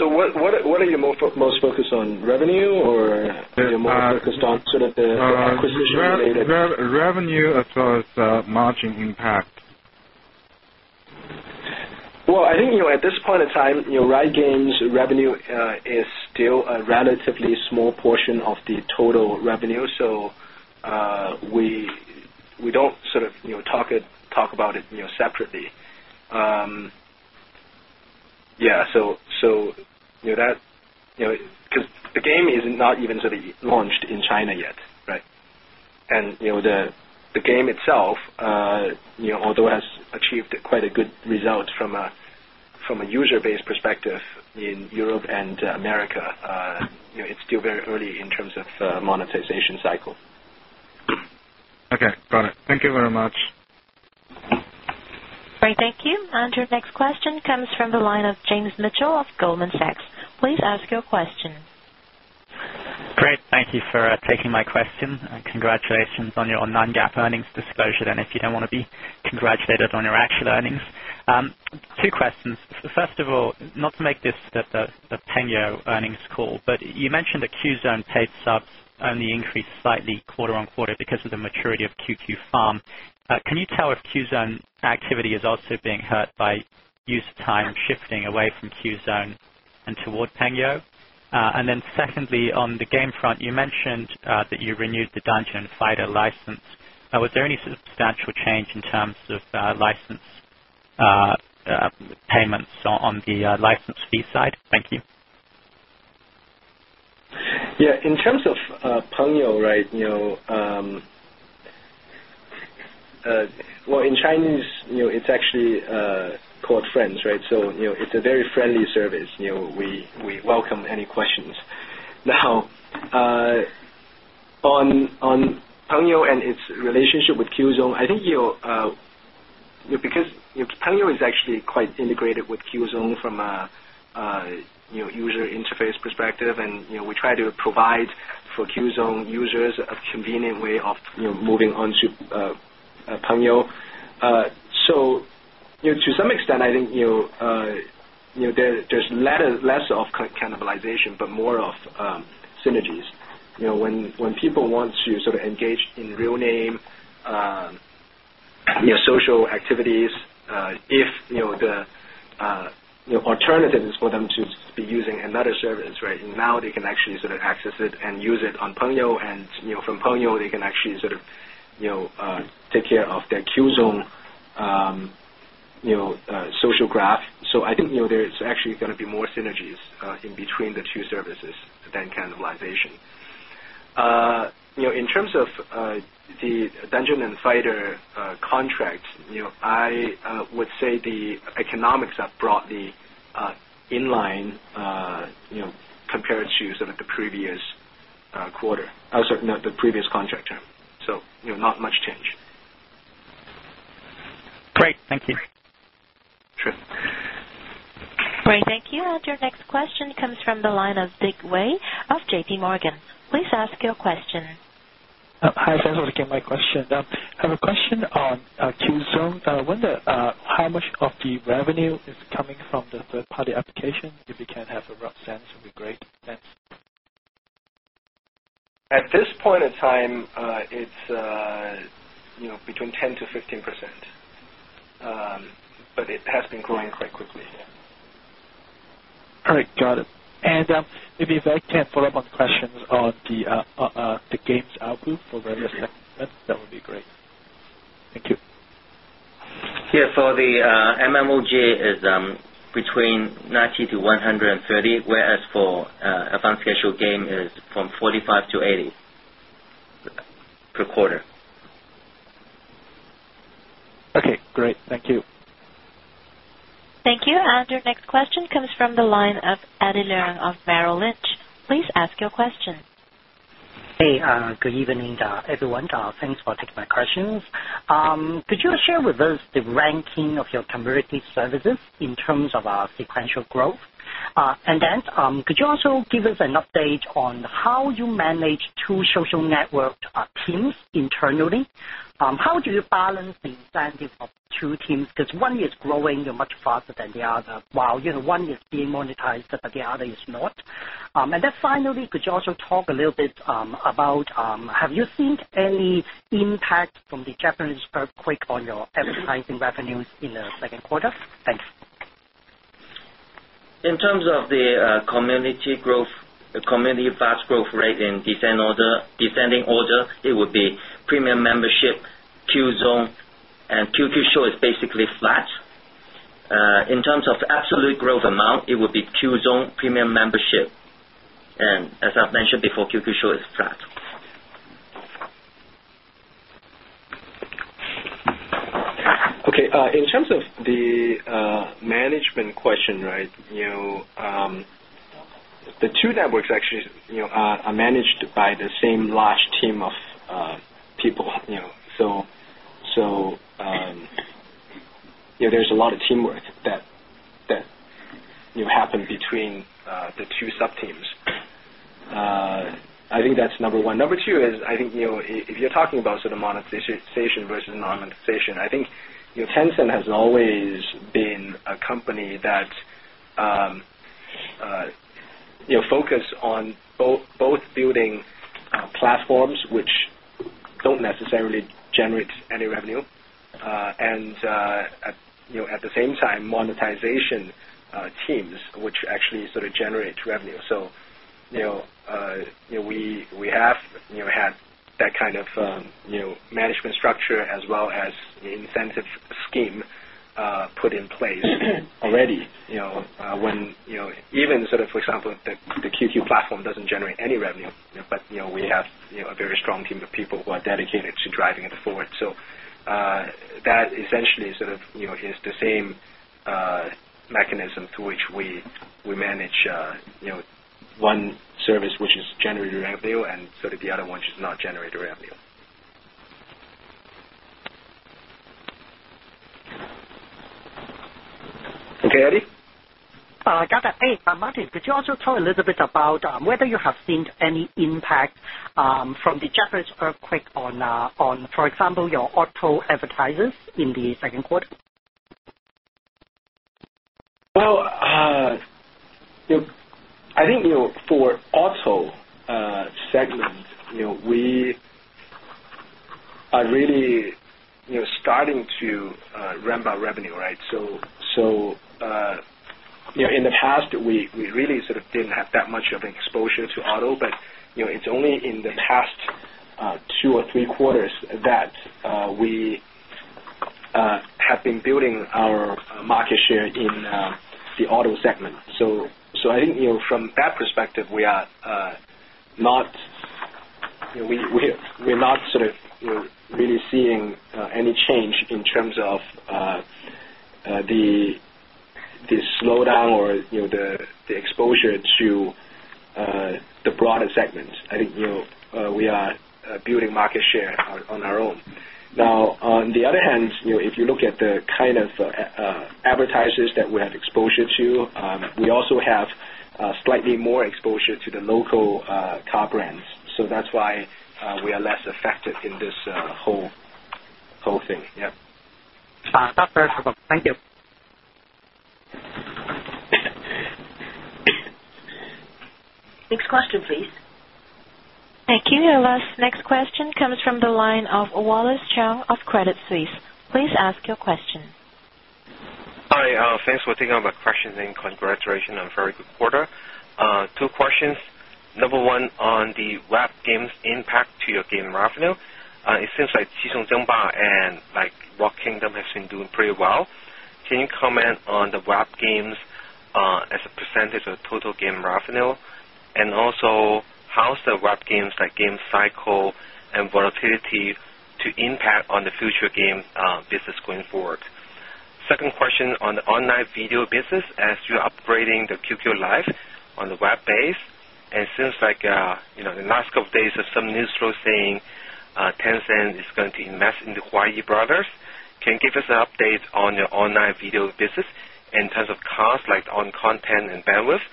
What are you most focused on, revenue or your most focused on? Revenue as well as margin impact. At this point in time, Riot Games' revenue is still a relatively small portion of the total revenue, so we don't sort of talk about it separately. The game is not even sort of launched in China yet, right? The game itself, although it has achieved quite a good result from a user-based perspective in Europe and America, is still very early in terms of monetization cycle. Okay, got it. Thank you very much. Great. Thank you. Your next question comes from the line of James Mitchell of Goldman Sachs. Please ask your question. Great. Thank you for taking my question. Congratulations on your non-GAAP earnings disclosure, and if you don't want to be congratulated on your actual earnings. Two questions. First of all, not to make this the Pengyou earnings call, but you mentioned that Qzone paid subs only increased slightly quarter-on-quarter because of the maturity of QQ Farm. Can you tell if Qzone activity is also being hurt by user time shifting away from Qzone and toward Pengyou? Secondly, on the game front, you mentioned that you renewed the Dungeon & Fighter license. Was there any substantial change in terms of license payments on the license fee side? Thank you. Yeah. In terms of Pengyou, in Chinese, it's actually called friends, right? It's a very friendly service. We welcome any questions. Now, on Pengyou and its relationship with Qzone, I think Pengyou is actually quite integrated with Qzone from a user interface perspective, and we try to provide for Qzone users a convenient way of moving on to Pengyou. To some extent, I think there's less of cannibalization but more of synergies. When people want to engage in real-name, social activities, if the alternative is for them to be using another service, now they can actually access it and use it on Pengyou, and from Pengyou, they can take care of their Qzone social graph. I think there's actually going to be more synergies in between the two services than cannibalization. In terms of the Dungeon & Fighter contracts, I would say the economics are broadly in line compared to the previous contract term. Not much change. Great. Thank you. Sure. Great. Thank you. Your next question comes from the line of Dick Wei of JP Morgan. Please ask your question. Hi. Thanks for taking my question. I have a question on Qzone. I wonder how much of the revenue is coming from the third-party applications. If you can have a rough sense, it would be great. Thanks. At this point in time, it's between 10%-15%, but it has been growing quite quickly. All right. Got it. Maybe if I can follow up on the questions on the games outgroup for various metrics, that would be great. Thank you. Yeah. For the MMOG, it's between 90-130, whereas for advanced casual game, it's from 45-80 per quarter. Okay, great. Thank you. Thank you. Your next question comes from the line of Eddie Leung of Merrill Lynch. Please ask your question. Hey, good evening, everyone. Thanks for taking my questions. Could you share with us the ranking of your community services in terms of sequential growth? Could you also give us an update on how you manage two social network teams internally? How do you balance the incentive of two teams? One is growing much faster than the other, while one is being monetized, but the other is not. Finally, could you also talk a little bit about have you seen any impact from the Japanese earthquake on your advertising revenues in the second quarter? Thanks. In terms of the community growth, community advanced growth rate in descending order, it would be premium membership, Qzone, and QQ Show is basically flat. In terms of absolute growth amount, it would be Qzone, premium membership. As I've mentioned before, QQ Show is flat. In terms of the management question, the two networks actually are managed by the same large team of people. There's a lot of teamwork that happened between the two subteams. I think that's number one. Number two is I think if you're talking about sort of monetization versus non-monetization, I think Tencent has always been a company that focuses on both building platforms, which don't necessarily generate any revenue, and at the same time, monetization teams, which actually sort of generate revenue. We have had that kind of management structure as well as the incentive scheme put in place already. For example, the QQ platform doesn't generate any revenue, but we have a very strong team of people who are dedicated to driving it forward. That essentially is the same mechanism through which we manage one service, which is generating revenue, and the other one, which is not generating revenue. Okay, Eddie? Got it. Hey, Martin, could you also talk a little bit about whether you have seen any impact from the Japanese earthquake on, for example, your auto advertisers in the second quarter? I think for auto segments, we are really starting to ramp up revenue, right? In the past, we really sort of didn't have that much of an exposure to auto, but it's only in the past two or three quarters that we have been building our market share in the auto segment. From that perspective, we are not sort of really seeing any change in terms of the slowdown or the exposure to the broader segments. I think we are building market share on our own. On the other hand, if you look at the kind of advertisers that we have exposure to, we also have slightly more exposure to the local car brands. That's why we are less effective in this whole thing. Yeah. That's very helpful. Thank you. Next question, please. Thank you. Our next question comes from the line of Wallace Cheung of Credit Suisse. Please ask your question. Hi. Thanks for taking my question and congratulations on a very good quarter. Two questions. Number one, on the web games impact to your game revenue, it seems like Qi Xiong Zhen Ba and Roco Kingdom have been doing pretty well. Can you comment on the web games as a percetage of total game revenue? Also, how's the web games game cycle and volatility impact on the future game business going forward? Second question on the online video business, as you're upgrading the QQ Live on the web-base, it seems like in the last couple of days, there's some news source saying Tencent is going to invest in the Huayi Brothers. Can you give us an update on your online video business in terms of costs like on content and bandwidth,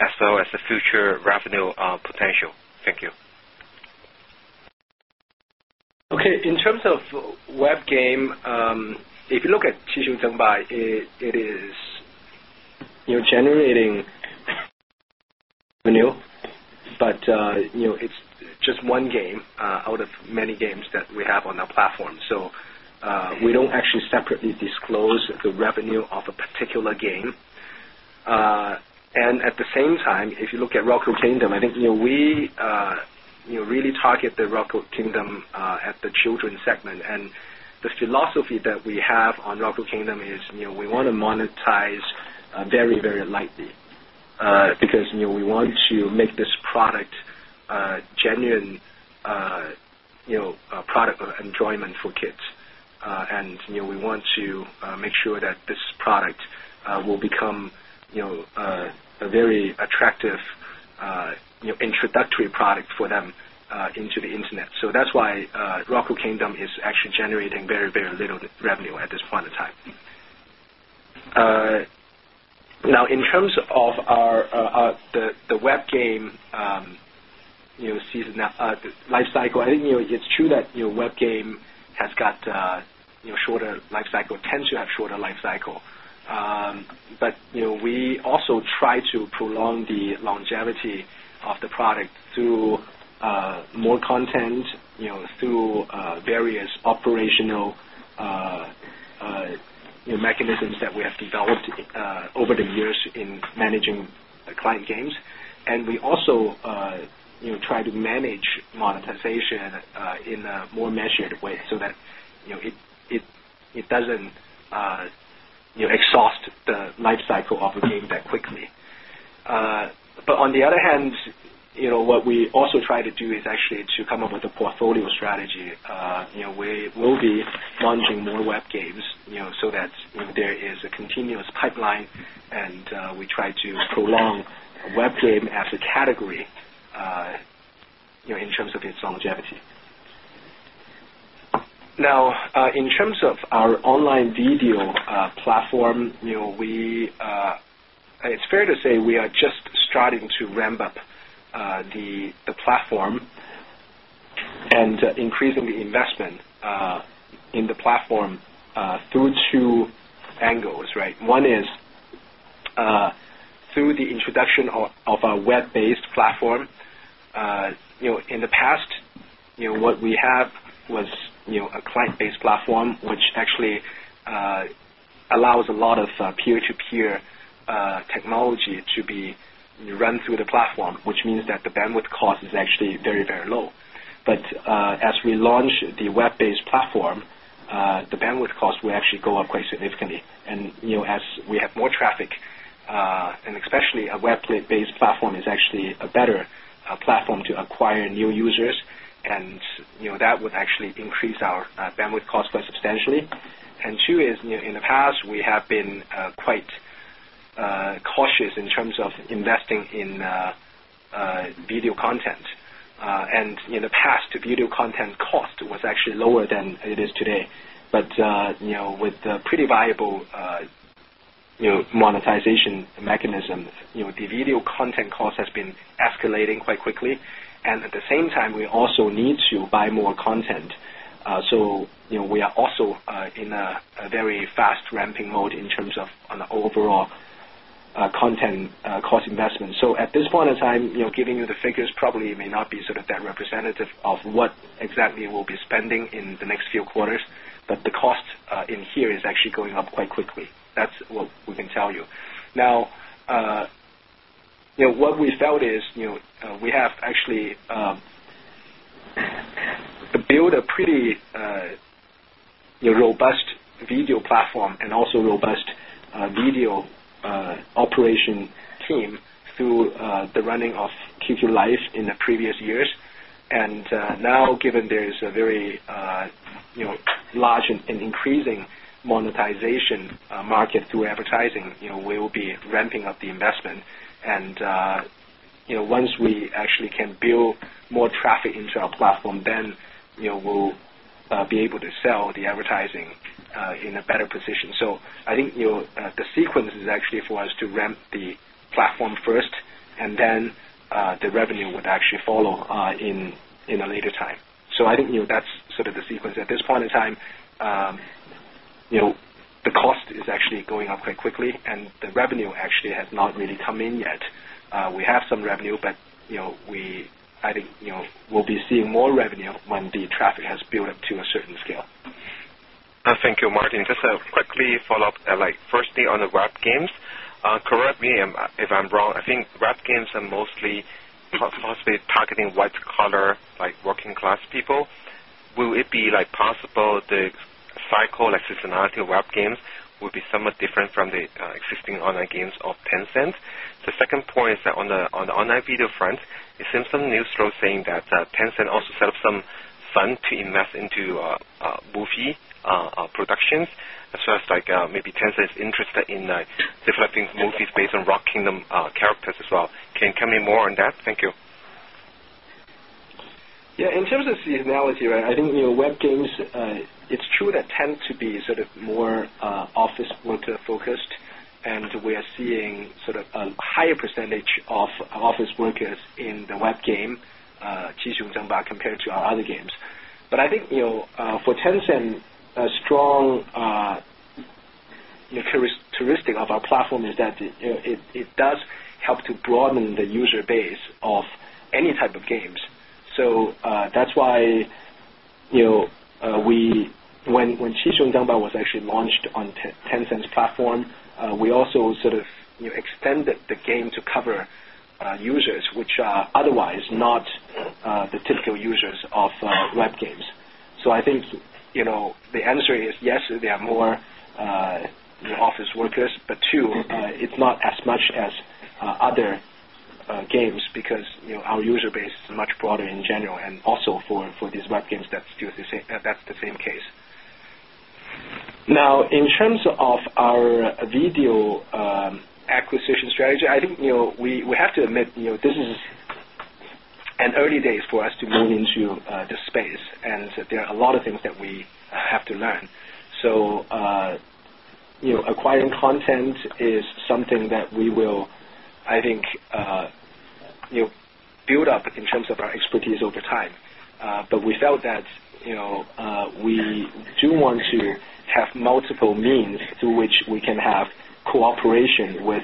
as well as the future revenue potential? Thank you. Okay. In terms of web games, if you look at Qi Xiong Zhen Ba, it is generating revenue, but it's just one game out of many games that we have on our platform. We don't actually separately disclose the revenue of a particular game. At the same time, if you look at Roco Kingdom, I think we really target the Roco Kingdom at the children segment. The philosophy that we have on Roco Kingdom is we want to monetize very, very lightly because we want to make this product a genuine product of enjoyment for kids. We want to make sure that this product will become a very attractive introductory product for them into the internet. That's why Roco Kingdom is actually generating very, very little revenue at this point in time. Now, in terms of web games, the lifecycle, I think it's true that web games has got a shorter lifecycle, tends to have a shorter lifecycle. We also try to prolong the longevity of the product through more content, through various operational mechanisms that we have developed over the years in managing client games. We also try to manage monetization in a more measured way so that it doesn't exhaust the lifecycle of a game that quickly. On the other hand, what we also try to do is actually to come up with a portfolio strategy. We will be launching more web games so that there is a continuous pipeline, and we try to prolong web games as a category in terms of its longevity. Now, in terms of our online video platform, it's fair to say we are just starting to ramp up the platform and increasing the investment in the platform through two angles, right? One is through the introduction of a web-based platform. In the past, what we had was a client-based platform, which actually allows a lot of peer-to-peer technology to be run through the platform, which means that the bandwidth cost is actually very, very low. As we launch the web-based platform, the bandwidth costs will actually go up quite significantly. As we have more traffic, and especially a web-based platform is actually a better platform to acquire new users, that would actually increase our bandwidth cost quite substantially. Two is, in the past, we have been quite cautious in terms of investing in video content. In the past, the video content cost was actually lower than it is today. With the pretty viable monetization mechanism, the video content cost has been escalating quite quickly. At the same time, we also need to buy more content. We are also in a very fast ramping mode in terms of our overall content cost investment. At this point in time, giving you the figures probably may not be that representative of what exactly we'll be spending in the next few quarters, but the cost here is actually going up quite quickly. That's what we can tell you. We have actually built a pretty robust video platform and also a robust video operation team through the running of QQ Live in previous years. Given there is a very large and increasing monetization market through advertising, we'll be ramping up the investment. Once we actually can build more traffic into our platform, then we'll be able to sell the advertising in a better position. I think the sequence is actually for us to ramp the platform first, and then the revenue would actually follow at a later time. That's the sequence. At this point in time, the cost is actually going up quite quickly, and the revenue actually has not really come in yet. We have some revenue, but I think we'll be seeing more revenue when the traffic has built up to a certain scale. Thank you, Martin. Just a quick follow-up. Firstly, on web games, correct me if I'm wrong, I think web games are mostly targeting white-collar, like working-class people. Will it be possible the cycle, like seasonality of web games, will be somewhat different from the existing online games of Tencent? The second point is that on the online video front, it seems some news source is saying that Tencent also set up some fund to invest into movie productions, as well as maybe Tencent is interested in developing movies based on Roco Kingdom characters as well. Can you tell me more on that? Thank you. Yeah. In terms of seasonality, I think web games, it's true that it tends to be sort of more office worker-focused, and we are seeing a higher percentage of office workers in the web games, Qi Xiong Zhen Ba, compared to our other games. I think for Tencent, a strong characteristic of our platform is that it does help to broaden the user base of any type of games. That's why when Qi Xiong Zhen Ba was actually launched on Tencent's platform, we also extended the game to cover users which are otherwise not the typical users of web games. I think the answer is yes, they are more office workers, but two, it's not as much as other games because our user base is much broader in general. Also, for these web games, that's the same case. Now, in terms of our video acquisition strategy, I think we have to admit this is early days for us to move into this space, and there are a lot of things that we have to learn. Acquiring content is something that we will, I think, build up in terms of our expertise over time. We felt that we do want to have multiple means through which we can have cooperation with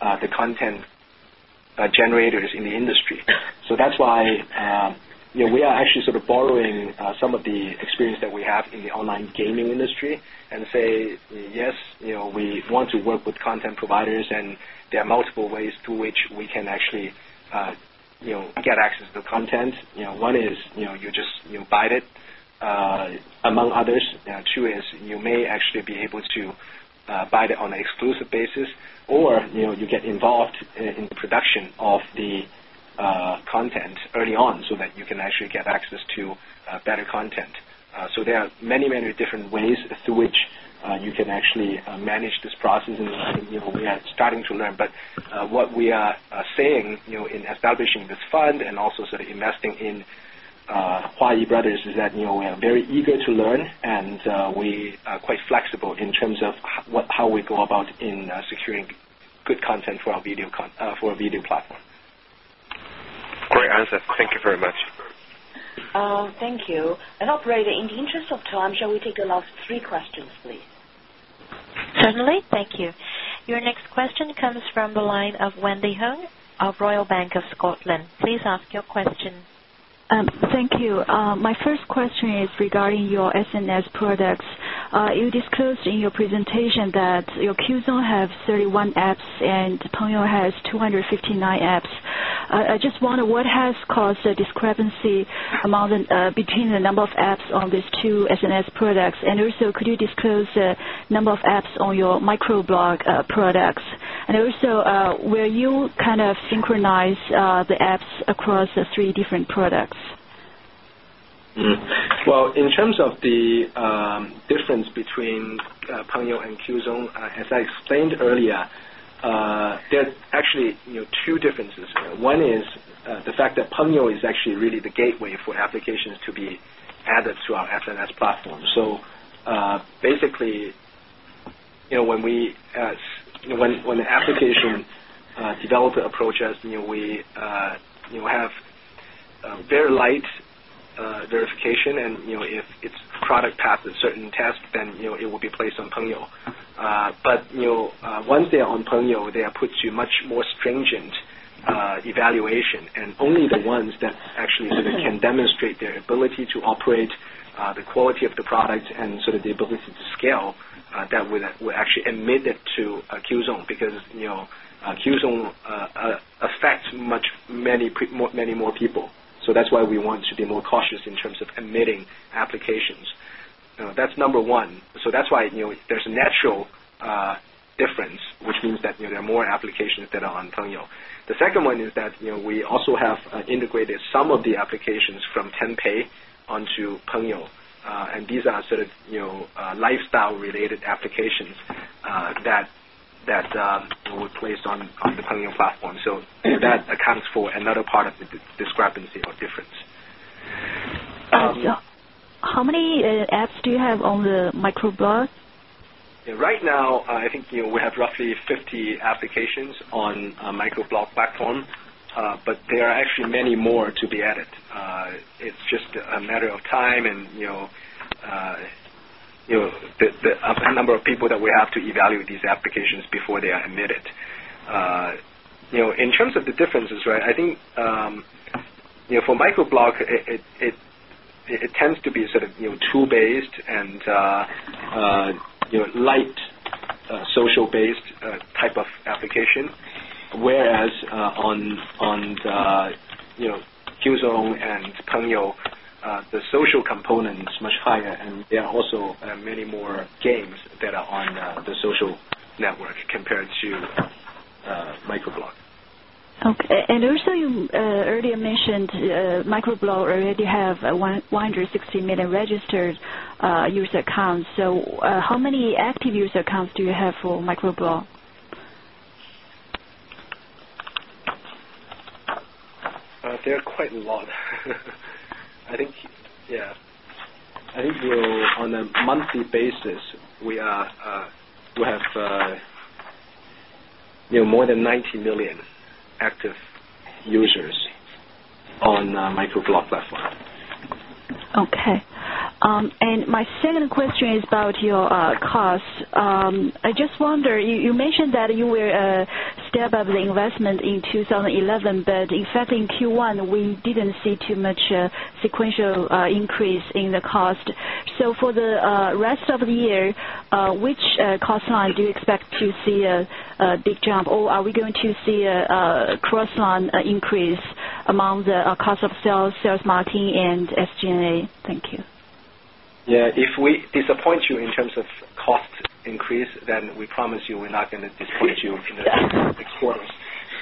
the content generators in the industry. That's why we are actually borrowing some of the experience that we have in the online gaming industry and say, yes, we want to work with content providers, and there are multiple ways through which we can actually get access to the content. One is you just buy it among others. Two is you may actually be able to buy it on an exclusive basis, or you get involved in the production of the content early on so that you can actually get access to better content. There are many, many different ways through which you can actually manage this process, and I think we are starting to learn. What we are saying in establishing this fund and also investing in Huayi Brothers is that we are very eager to learn, and we are quite flexible in terms of how we go about securing good content for our video platform. Great answer. Thank you very much. Thank you. Operator, in the interest of time, shall we take the last three questions, please? Certainly. Thank you. Your next question comes from the line of Wendy Huang of Royal Bank of Scotland. Please ask your question. Thank you. My first question is regarding your SNS products. You disclosed in your presentation that your Qzone has 31 apps and Pengyou has 259 apps. I just wonder, what has caused the discrepancy between the number of apps on these two SNS products? Also, could you disclose the number of apps on your microblog products? Will you kind of synchronize the apps across the three different products? In terms of the difference between Pengyou and Qzone, as I explained. Yeah, There's actually, you know, two differences. One is the fact that Pengyou is actually really the gateway for applications to be added to our SNS platform. Basically, you know, when the application developer approaches, you know, we have very light verification. If its product passed a certain task, then, you know, it will be placed on Pengyou. Once they're on Pengyou, they are put to much more stringent evaluation. Only the ones that actually sort of can demonstrate their ability to operate, the quality of the products, and sort of the ability to scale, that will actually be admitted to Qzone because, you know, Qzone affects many, many more people. That's why we want to be more cautious in terms of admitting applications. That's number one. That's why, you know, there's a natural difference, which means that, you know, there are more applications that are on Pengyou. The second one is that, you know, we also have integrated some of the applications from Tenpay onto Pengyou. These are sort of, you know, lifestyle-related applications that we'll place on the Pengyou platform. That accounts for another part of the discrepancy or difference. How many apps do you have on the microblog? Yeah, right now, I think we have roughly 50 applications on a microblogging platform, but there are actually many more to be added. It's just a matter of time and the number of people that we have to evaluate these applications before they are admitted. In terms of the differences, I think for microblogging, it tends to be sort of tool-based and light, social-based type of application. Whereas on Qzone and Pengyou, the social component is much higher, and there are also many more games that are on the social network compared to microblogging. Okay. You earlier mentioned microblog already has 160 million registered user accounts. How many active user accounts do you have for microblog? There are quite a lot. I think, on a monthly basis, we have more than 90 million active users on the microblogging platform. Okay. My second question is about your costs. I just wonder, you mentioned that you were a step of the investment in 2011, but in Q1, we didn't see too much sequential increase in the cost. For the rest of the year, which cost line do you expect to see a big jump? Are we going to see a cross-linked increase among the cost of sales, sales, marketing, and SG&A? Thank you. Yeah, if we disappoint you in terms of cost increase, then we promise you we're not going to disappoint you in the next quarters.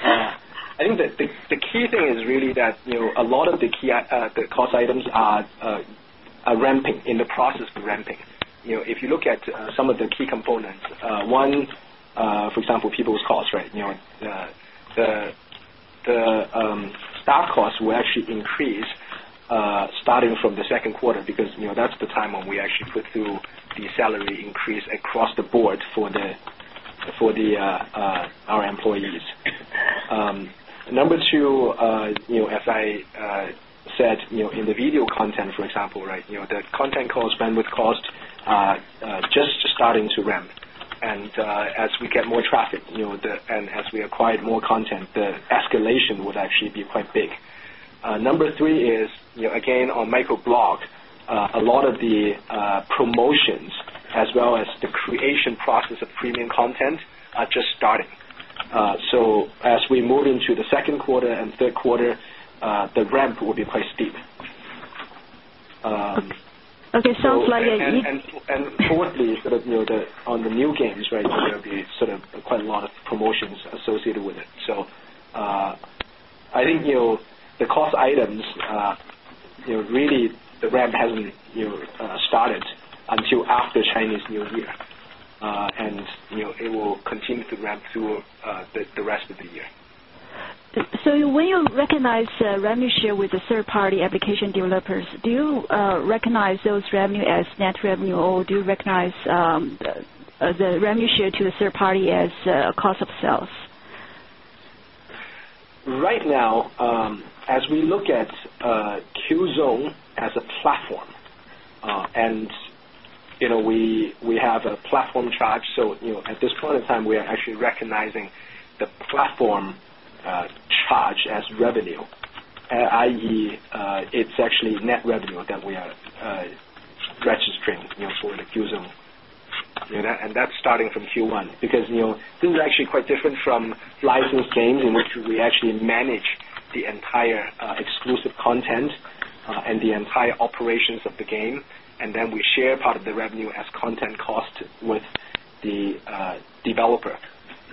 I think that the key thing is really that a lot of the key cost items are ramping in the process of ramping. If you look at some of the key components, one, for example, people's cost, right? The staff costs will actually increase, starting from the second quarter because that's the time when we actually put through the salary increase across the board for our employees. Number two, as I said, in the video content, for example, the content cost, bandwidth cost, just starting to ramp. As we get more traffic, and as we acquire more content, the escalation will actually be quite big. Number three is, again, on microblog, a lot of the promotions as well as the creation process of premium content are just starting. As we move into the second quarter and third quarter, the ramp will be quite steep. Okay, sounds like. Fourthly, on the new games, there will be quite a lot of promotions associated with it. I think the cost items, really, the ramp hasn't started until after Chinese New Year, and it will continue to ramp through the rest of the year. When you recognize revenue share with the third-party application developers, do you recognize those revenue as net revenue, or do you recognize the revenue share to the third party as a cost of sales? Right now, as we look at Qzone as a platform, we have a platform charge. At this point in time, we are actually recognizing the platform charge as revenue, i.e., it's actually net revenue that we are registering for the Qzone. That's starting from Q1 because things are actually quite different from licensed games in which we actually manage the entire exclusive content and the entire operations of the game, and then we share part of the revenue as content cost with the developer.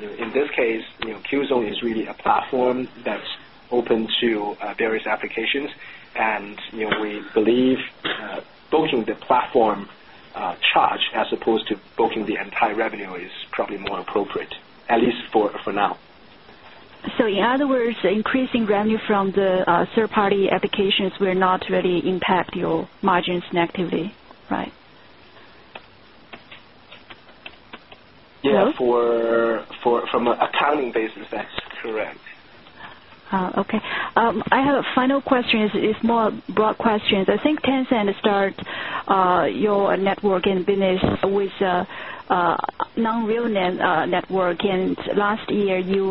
In this case, Qzone is really a platform that's open to various applications. We believe booking the platform charge as opposed to booking the entire revenue is probably more appropriate, at least for now. In other words, increasing revenue from the third-party applications will not really impact your margins negatively, right? Yeah, from an accounting basis, that's correct. Okay. I have a final question. It's more a broad question. I think Tencent started your networking business with a non-real network. Last year, you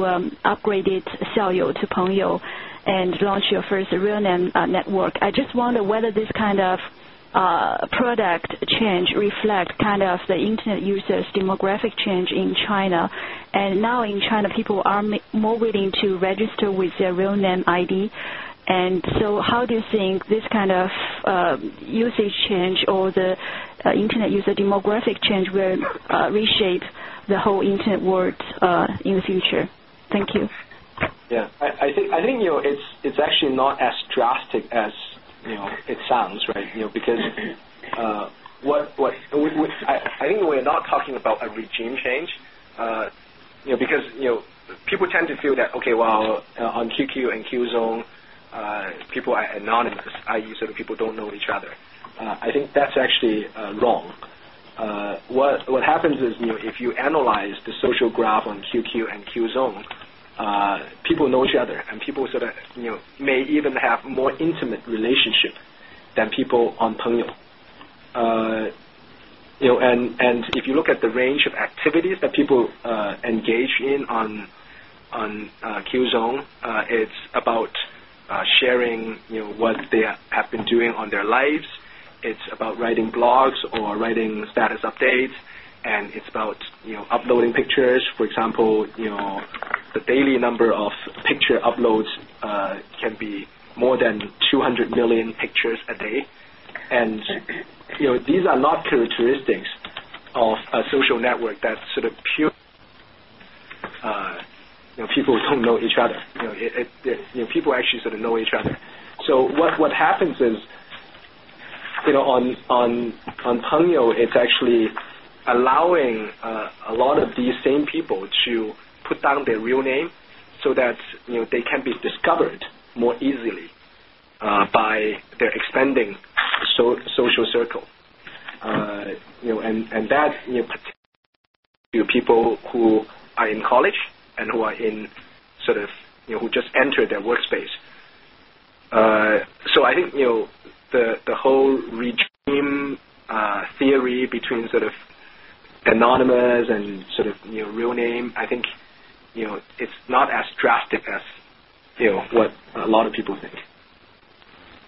upgraded Qzone to Pengyou and launched your first real-name-based SNS. I just wonder whether this kind of product change reflects kind of the internet user's demographic change in China. Now in China, people are more willing to register with their real name ID. How do you think this kind of usage change or the internet user demographic change will reshape the whole internet world in the future? Thank you. Yeah, I think it's actually not as drastic as it sounds, right? I think we're not talking about a regime change, because people tend to feel that, okay, well, on QQ and Qzone, people are anonymous, i.e., sort of people don't know each other. I think that's actually wrong. What happens is, if you analyze the social graph on QQ and Qzone, people know each other, and people may even have more intimate relationships than people on Pengyou. If you look at the range of activities that people engage in on Qzone, it's about sharing what they have been doing in their lives. It's about writing blogs or writing status updates, and it's about uploading pictures. For example, the daily number of picture uploads can be more than 200 million pictures a day. These are not characteristics of a social network that's sort of pure, where people don't know each other. People actually know each other. What happens is, on Pengyou, it's actually allowing a lot of these same people to put down their real name so that they can be discovered more easily by their expanding social circle, particularly people who are in college and who just entered their workspace. I think the whole regime theory between sort of anonymous and real name, I think it's not as drastic as what a lot of people think.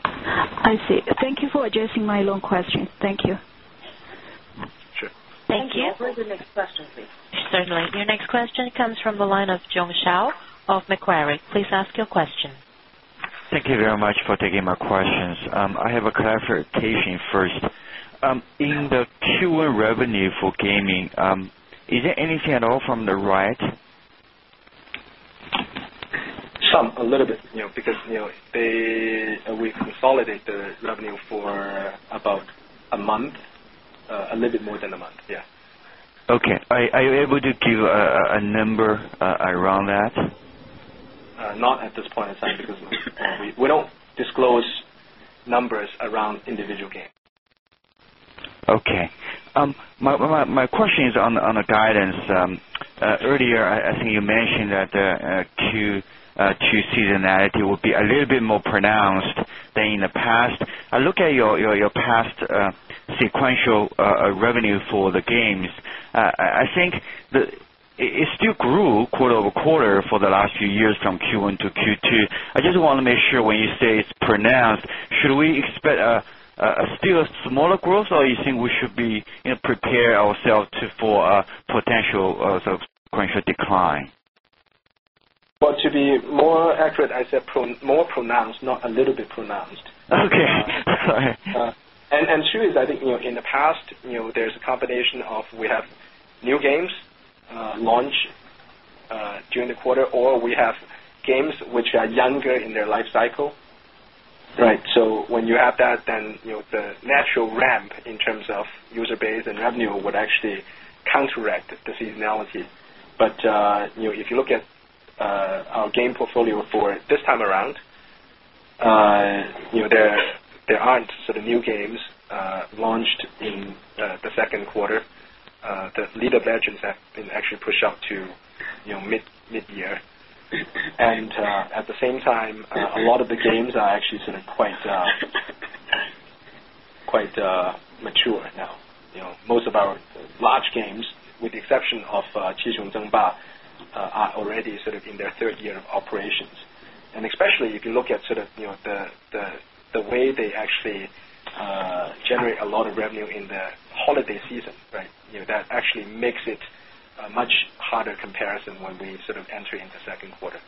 I see. Thank you for addressing my long question. Thank you. Sure. Thank you. I'll go to the next question, please. Certainly. Your next question comes from the line of Zhong Xiao of Macquarie. Please ask your question. Thank you very much for taking my questions. I have a clarification first. In the Q1 revenue for gaming, is there anything at all from the right? Some, a little bit, you know, because we consolidate the revenue for about a month, a little bit more than a month, yeah. Okay. Are you able to give a number, around that? Not at this point in time because we don't disclose numbers around individual games. Okay. My question is on guidance. Earlier, I think you mentioned that the Q2 seasonality will be a little bit more pronounced than in the past. I look at your past sequential revenue for the games. I think it still grew quarter over quarter for the last few years from Q1 to Q2. I just want to make sure when you say it's pronounced, should we expect a still smaller growth or do you think we should be, you know, prepare ourselves for a potential sort of potential decline? To be more accurate, I said more pronounced, not a little bit pronounced. Okay. The truth is, I think, in the past, there's a combination of we have new games launched during the quarter, or we have games which are younger in their life cycle. Right. When you add that, then the natural ramp in terms of user base and revenue would actually counteract the seasonality. If you look at our game portfolio for this time around, there aren't sort of new games launched in the second quarter. The later versions have been actually pushed out to mid-year. At the same time, a lot of the games are actually quite mature now. Most of our large games, with the exception of Qi Xiong Zhen Ba, are already in their third year of operations. Especially if you look at the way they actually generate a lot of revenue in the holiday season, that actually makes it a much harder comparison when we enter into the second quarter.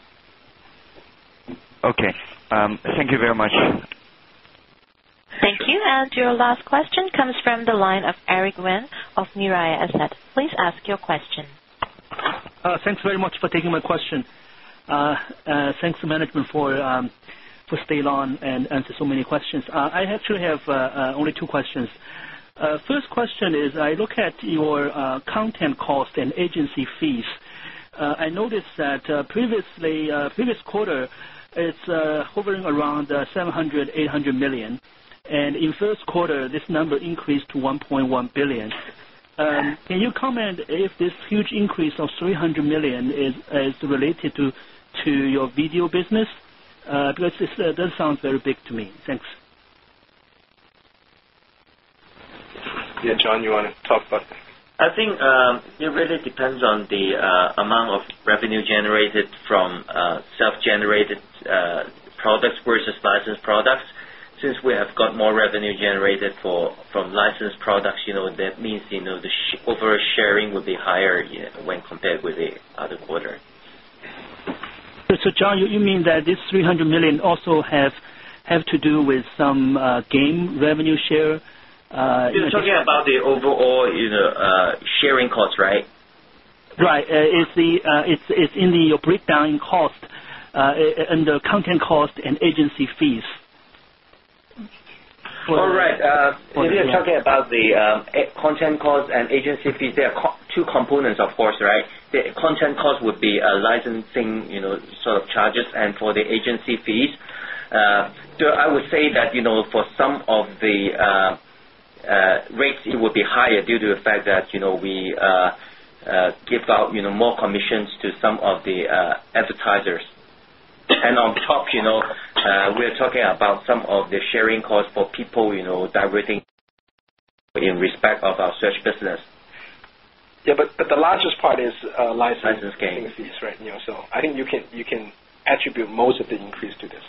Okay. Thank you very much. Thank you. Your last question comes from the line of Eric Nguyen of Mirae Asset. Please ask your question. Thanks very much for taking my question. Thanks to management for staying on and answering so many questions. I actually have only two questions. First question is, I look at your content cost and agency fees. I noticed that previous quarter, it's hovering around 700 million, 800 million. In the first quarter, this number increased to 1.1 billion. Can you comment if this huge increase of 300 million is related to your video business? It does sound very big to me. Thanks. Yeah. John, you want to talk about? I think it really depends on the amount of revenue generated from self-generated products versus licensed products. Since we have got more revenue generated from licensed products, that means the overall sharing will be higher when compared with the other quarter. John, you mean that this 300 million also has to do with some game revenue share? You're talking about the overall sharing costs, right? Right. It's in your breakdown in cost, and the content cost and agency fees. All right. If you're talking about the content cost and agency fees, there are two components, of course, right? The content cost would be a licensing, you know, sort of charges, and for the agency fees, I would say that, you know, for some of the rates, it would be higher due to the fact that, you know, we give out, you know, more commissions to some of the advertisers. On top, you know, we're talking about some of the sharing costs for people, you know, diverting in respect of our search business. Yeah, but the largest part is licensing fees, right? I think you can attribute most of the increase to this.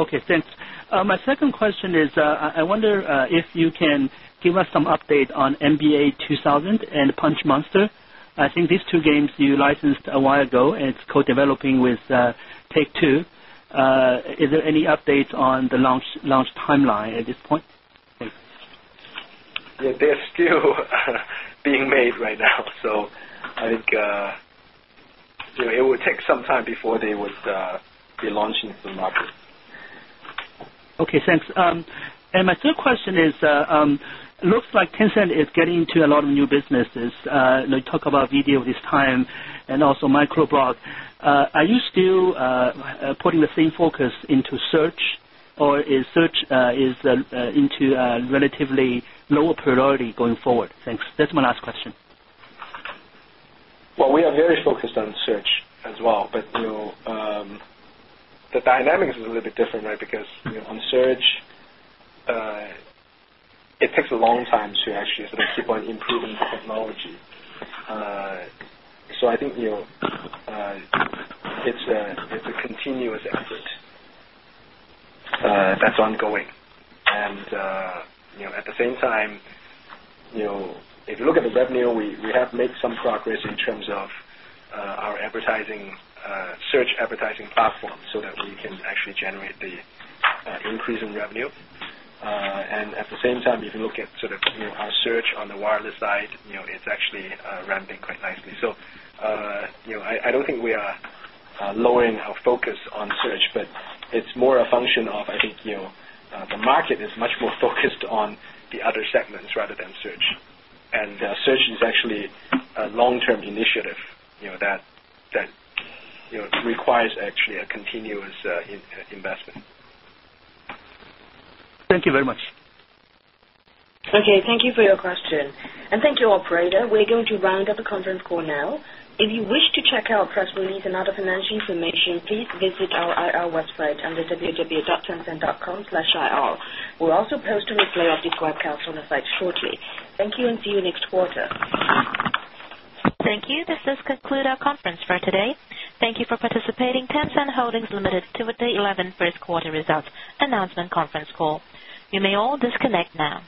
Okay, thanks. My second question is, I wonder if you can give us some update on NBA 2K and Punch Monster. I think these two games you licensed a while ago and it's co-developing with Take-Two. Is there any updates on the launch timeline at this point? Yeah, they're still being made right now. I think it would take some time before they would be launching to the market. Okay, thanks. My third question is, it looks like Tencent is getting into a lot of new businesses. They talk about video this time and also microblog. Are you still putting the same focus into search, or is search into a relatively lower priority going forward? Thanks. That's my last question. We are very focused on search as well, but the dynamics are a little bit different, right? Because on search, it takes a long time to actually sort of keep on improving the technology. I think it's a continuous effort that's ongoing. At the same time, if you look at the revenue, we have made some progress in terms of our search advertising platform so that we can actually generate the increase in revenue. At the same time, if you look at sort of our search on the wireless side, it's actually ramping quite nicely. I don't think we are lowering our focus on search, but it's more a function of the market being much more focused on the other segments rather than search. Search is actually a long-term initiative that requires actually a continuous investment. Thank you very much. Okay, thank you for your question. Thank you, operator. We're going to round up the conference call now. If you wish to check out press release and other financial information, please visit our IR website under www.tencent.com/ir. We'll also post a replay of the call on the site shortly. Thank you and see you next quarter. Thank you. This does conclude our conference for today. Thank you for participating. Tencent Holdings Limited, Tuesday 11, first quarter results, announcement conference call. You may all disconnect now.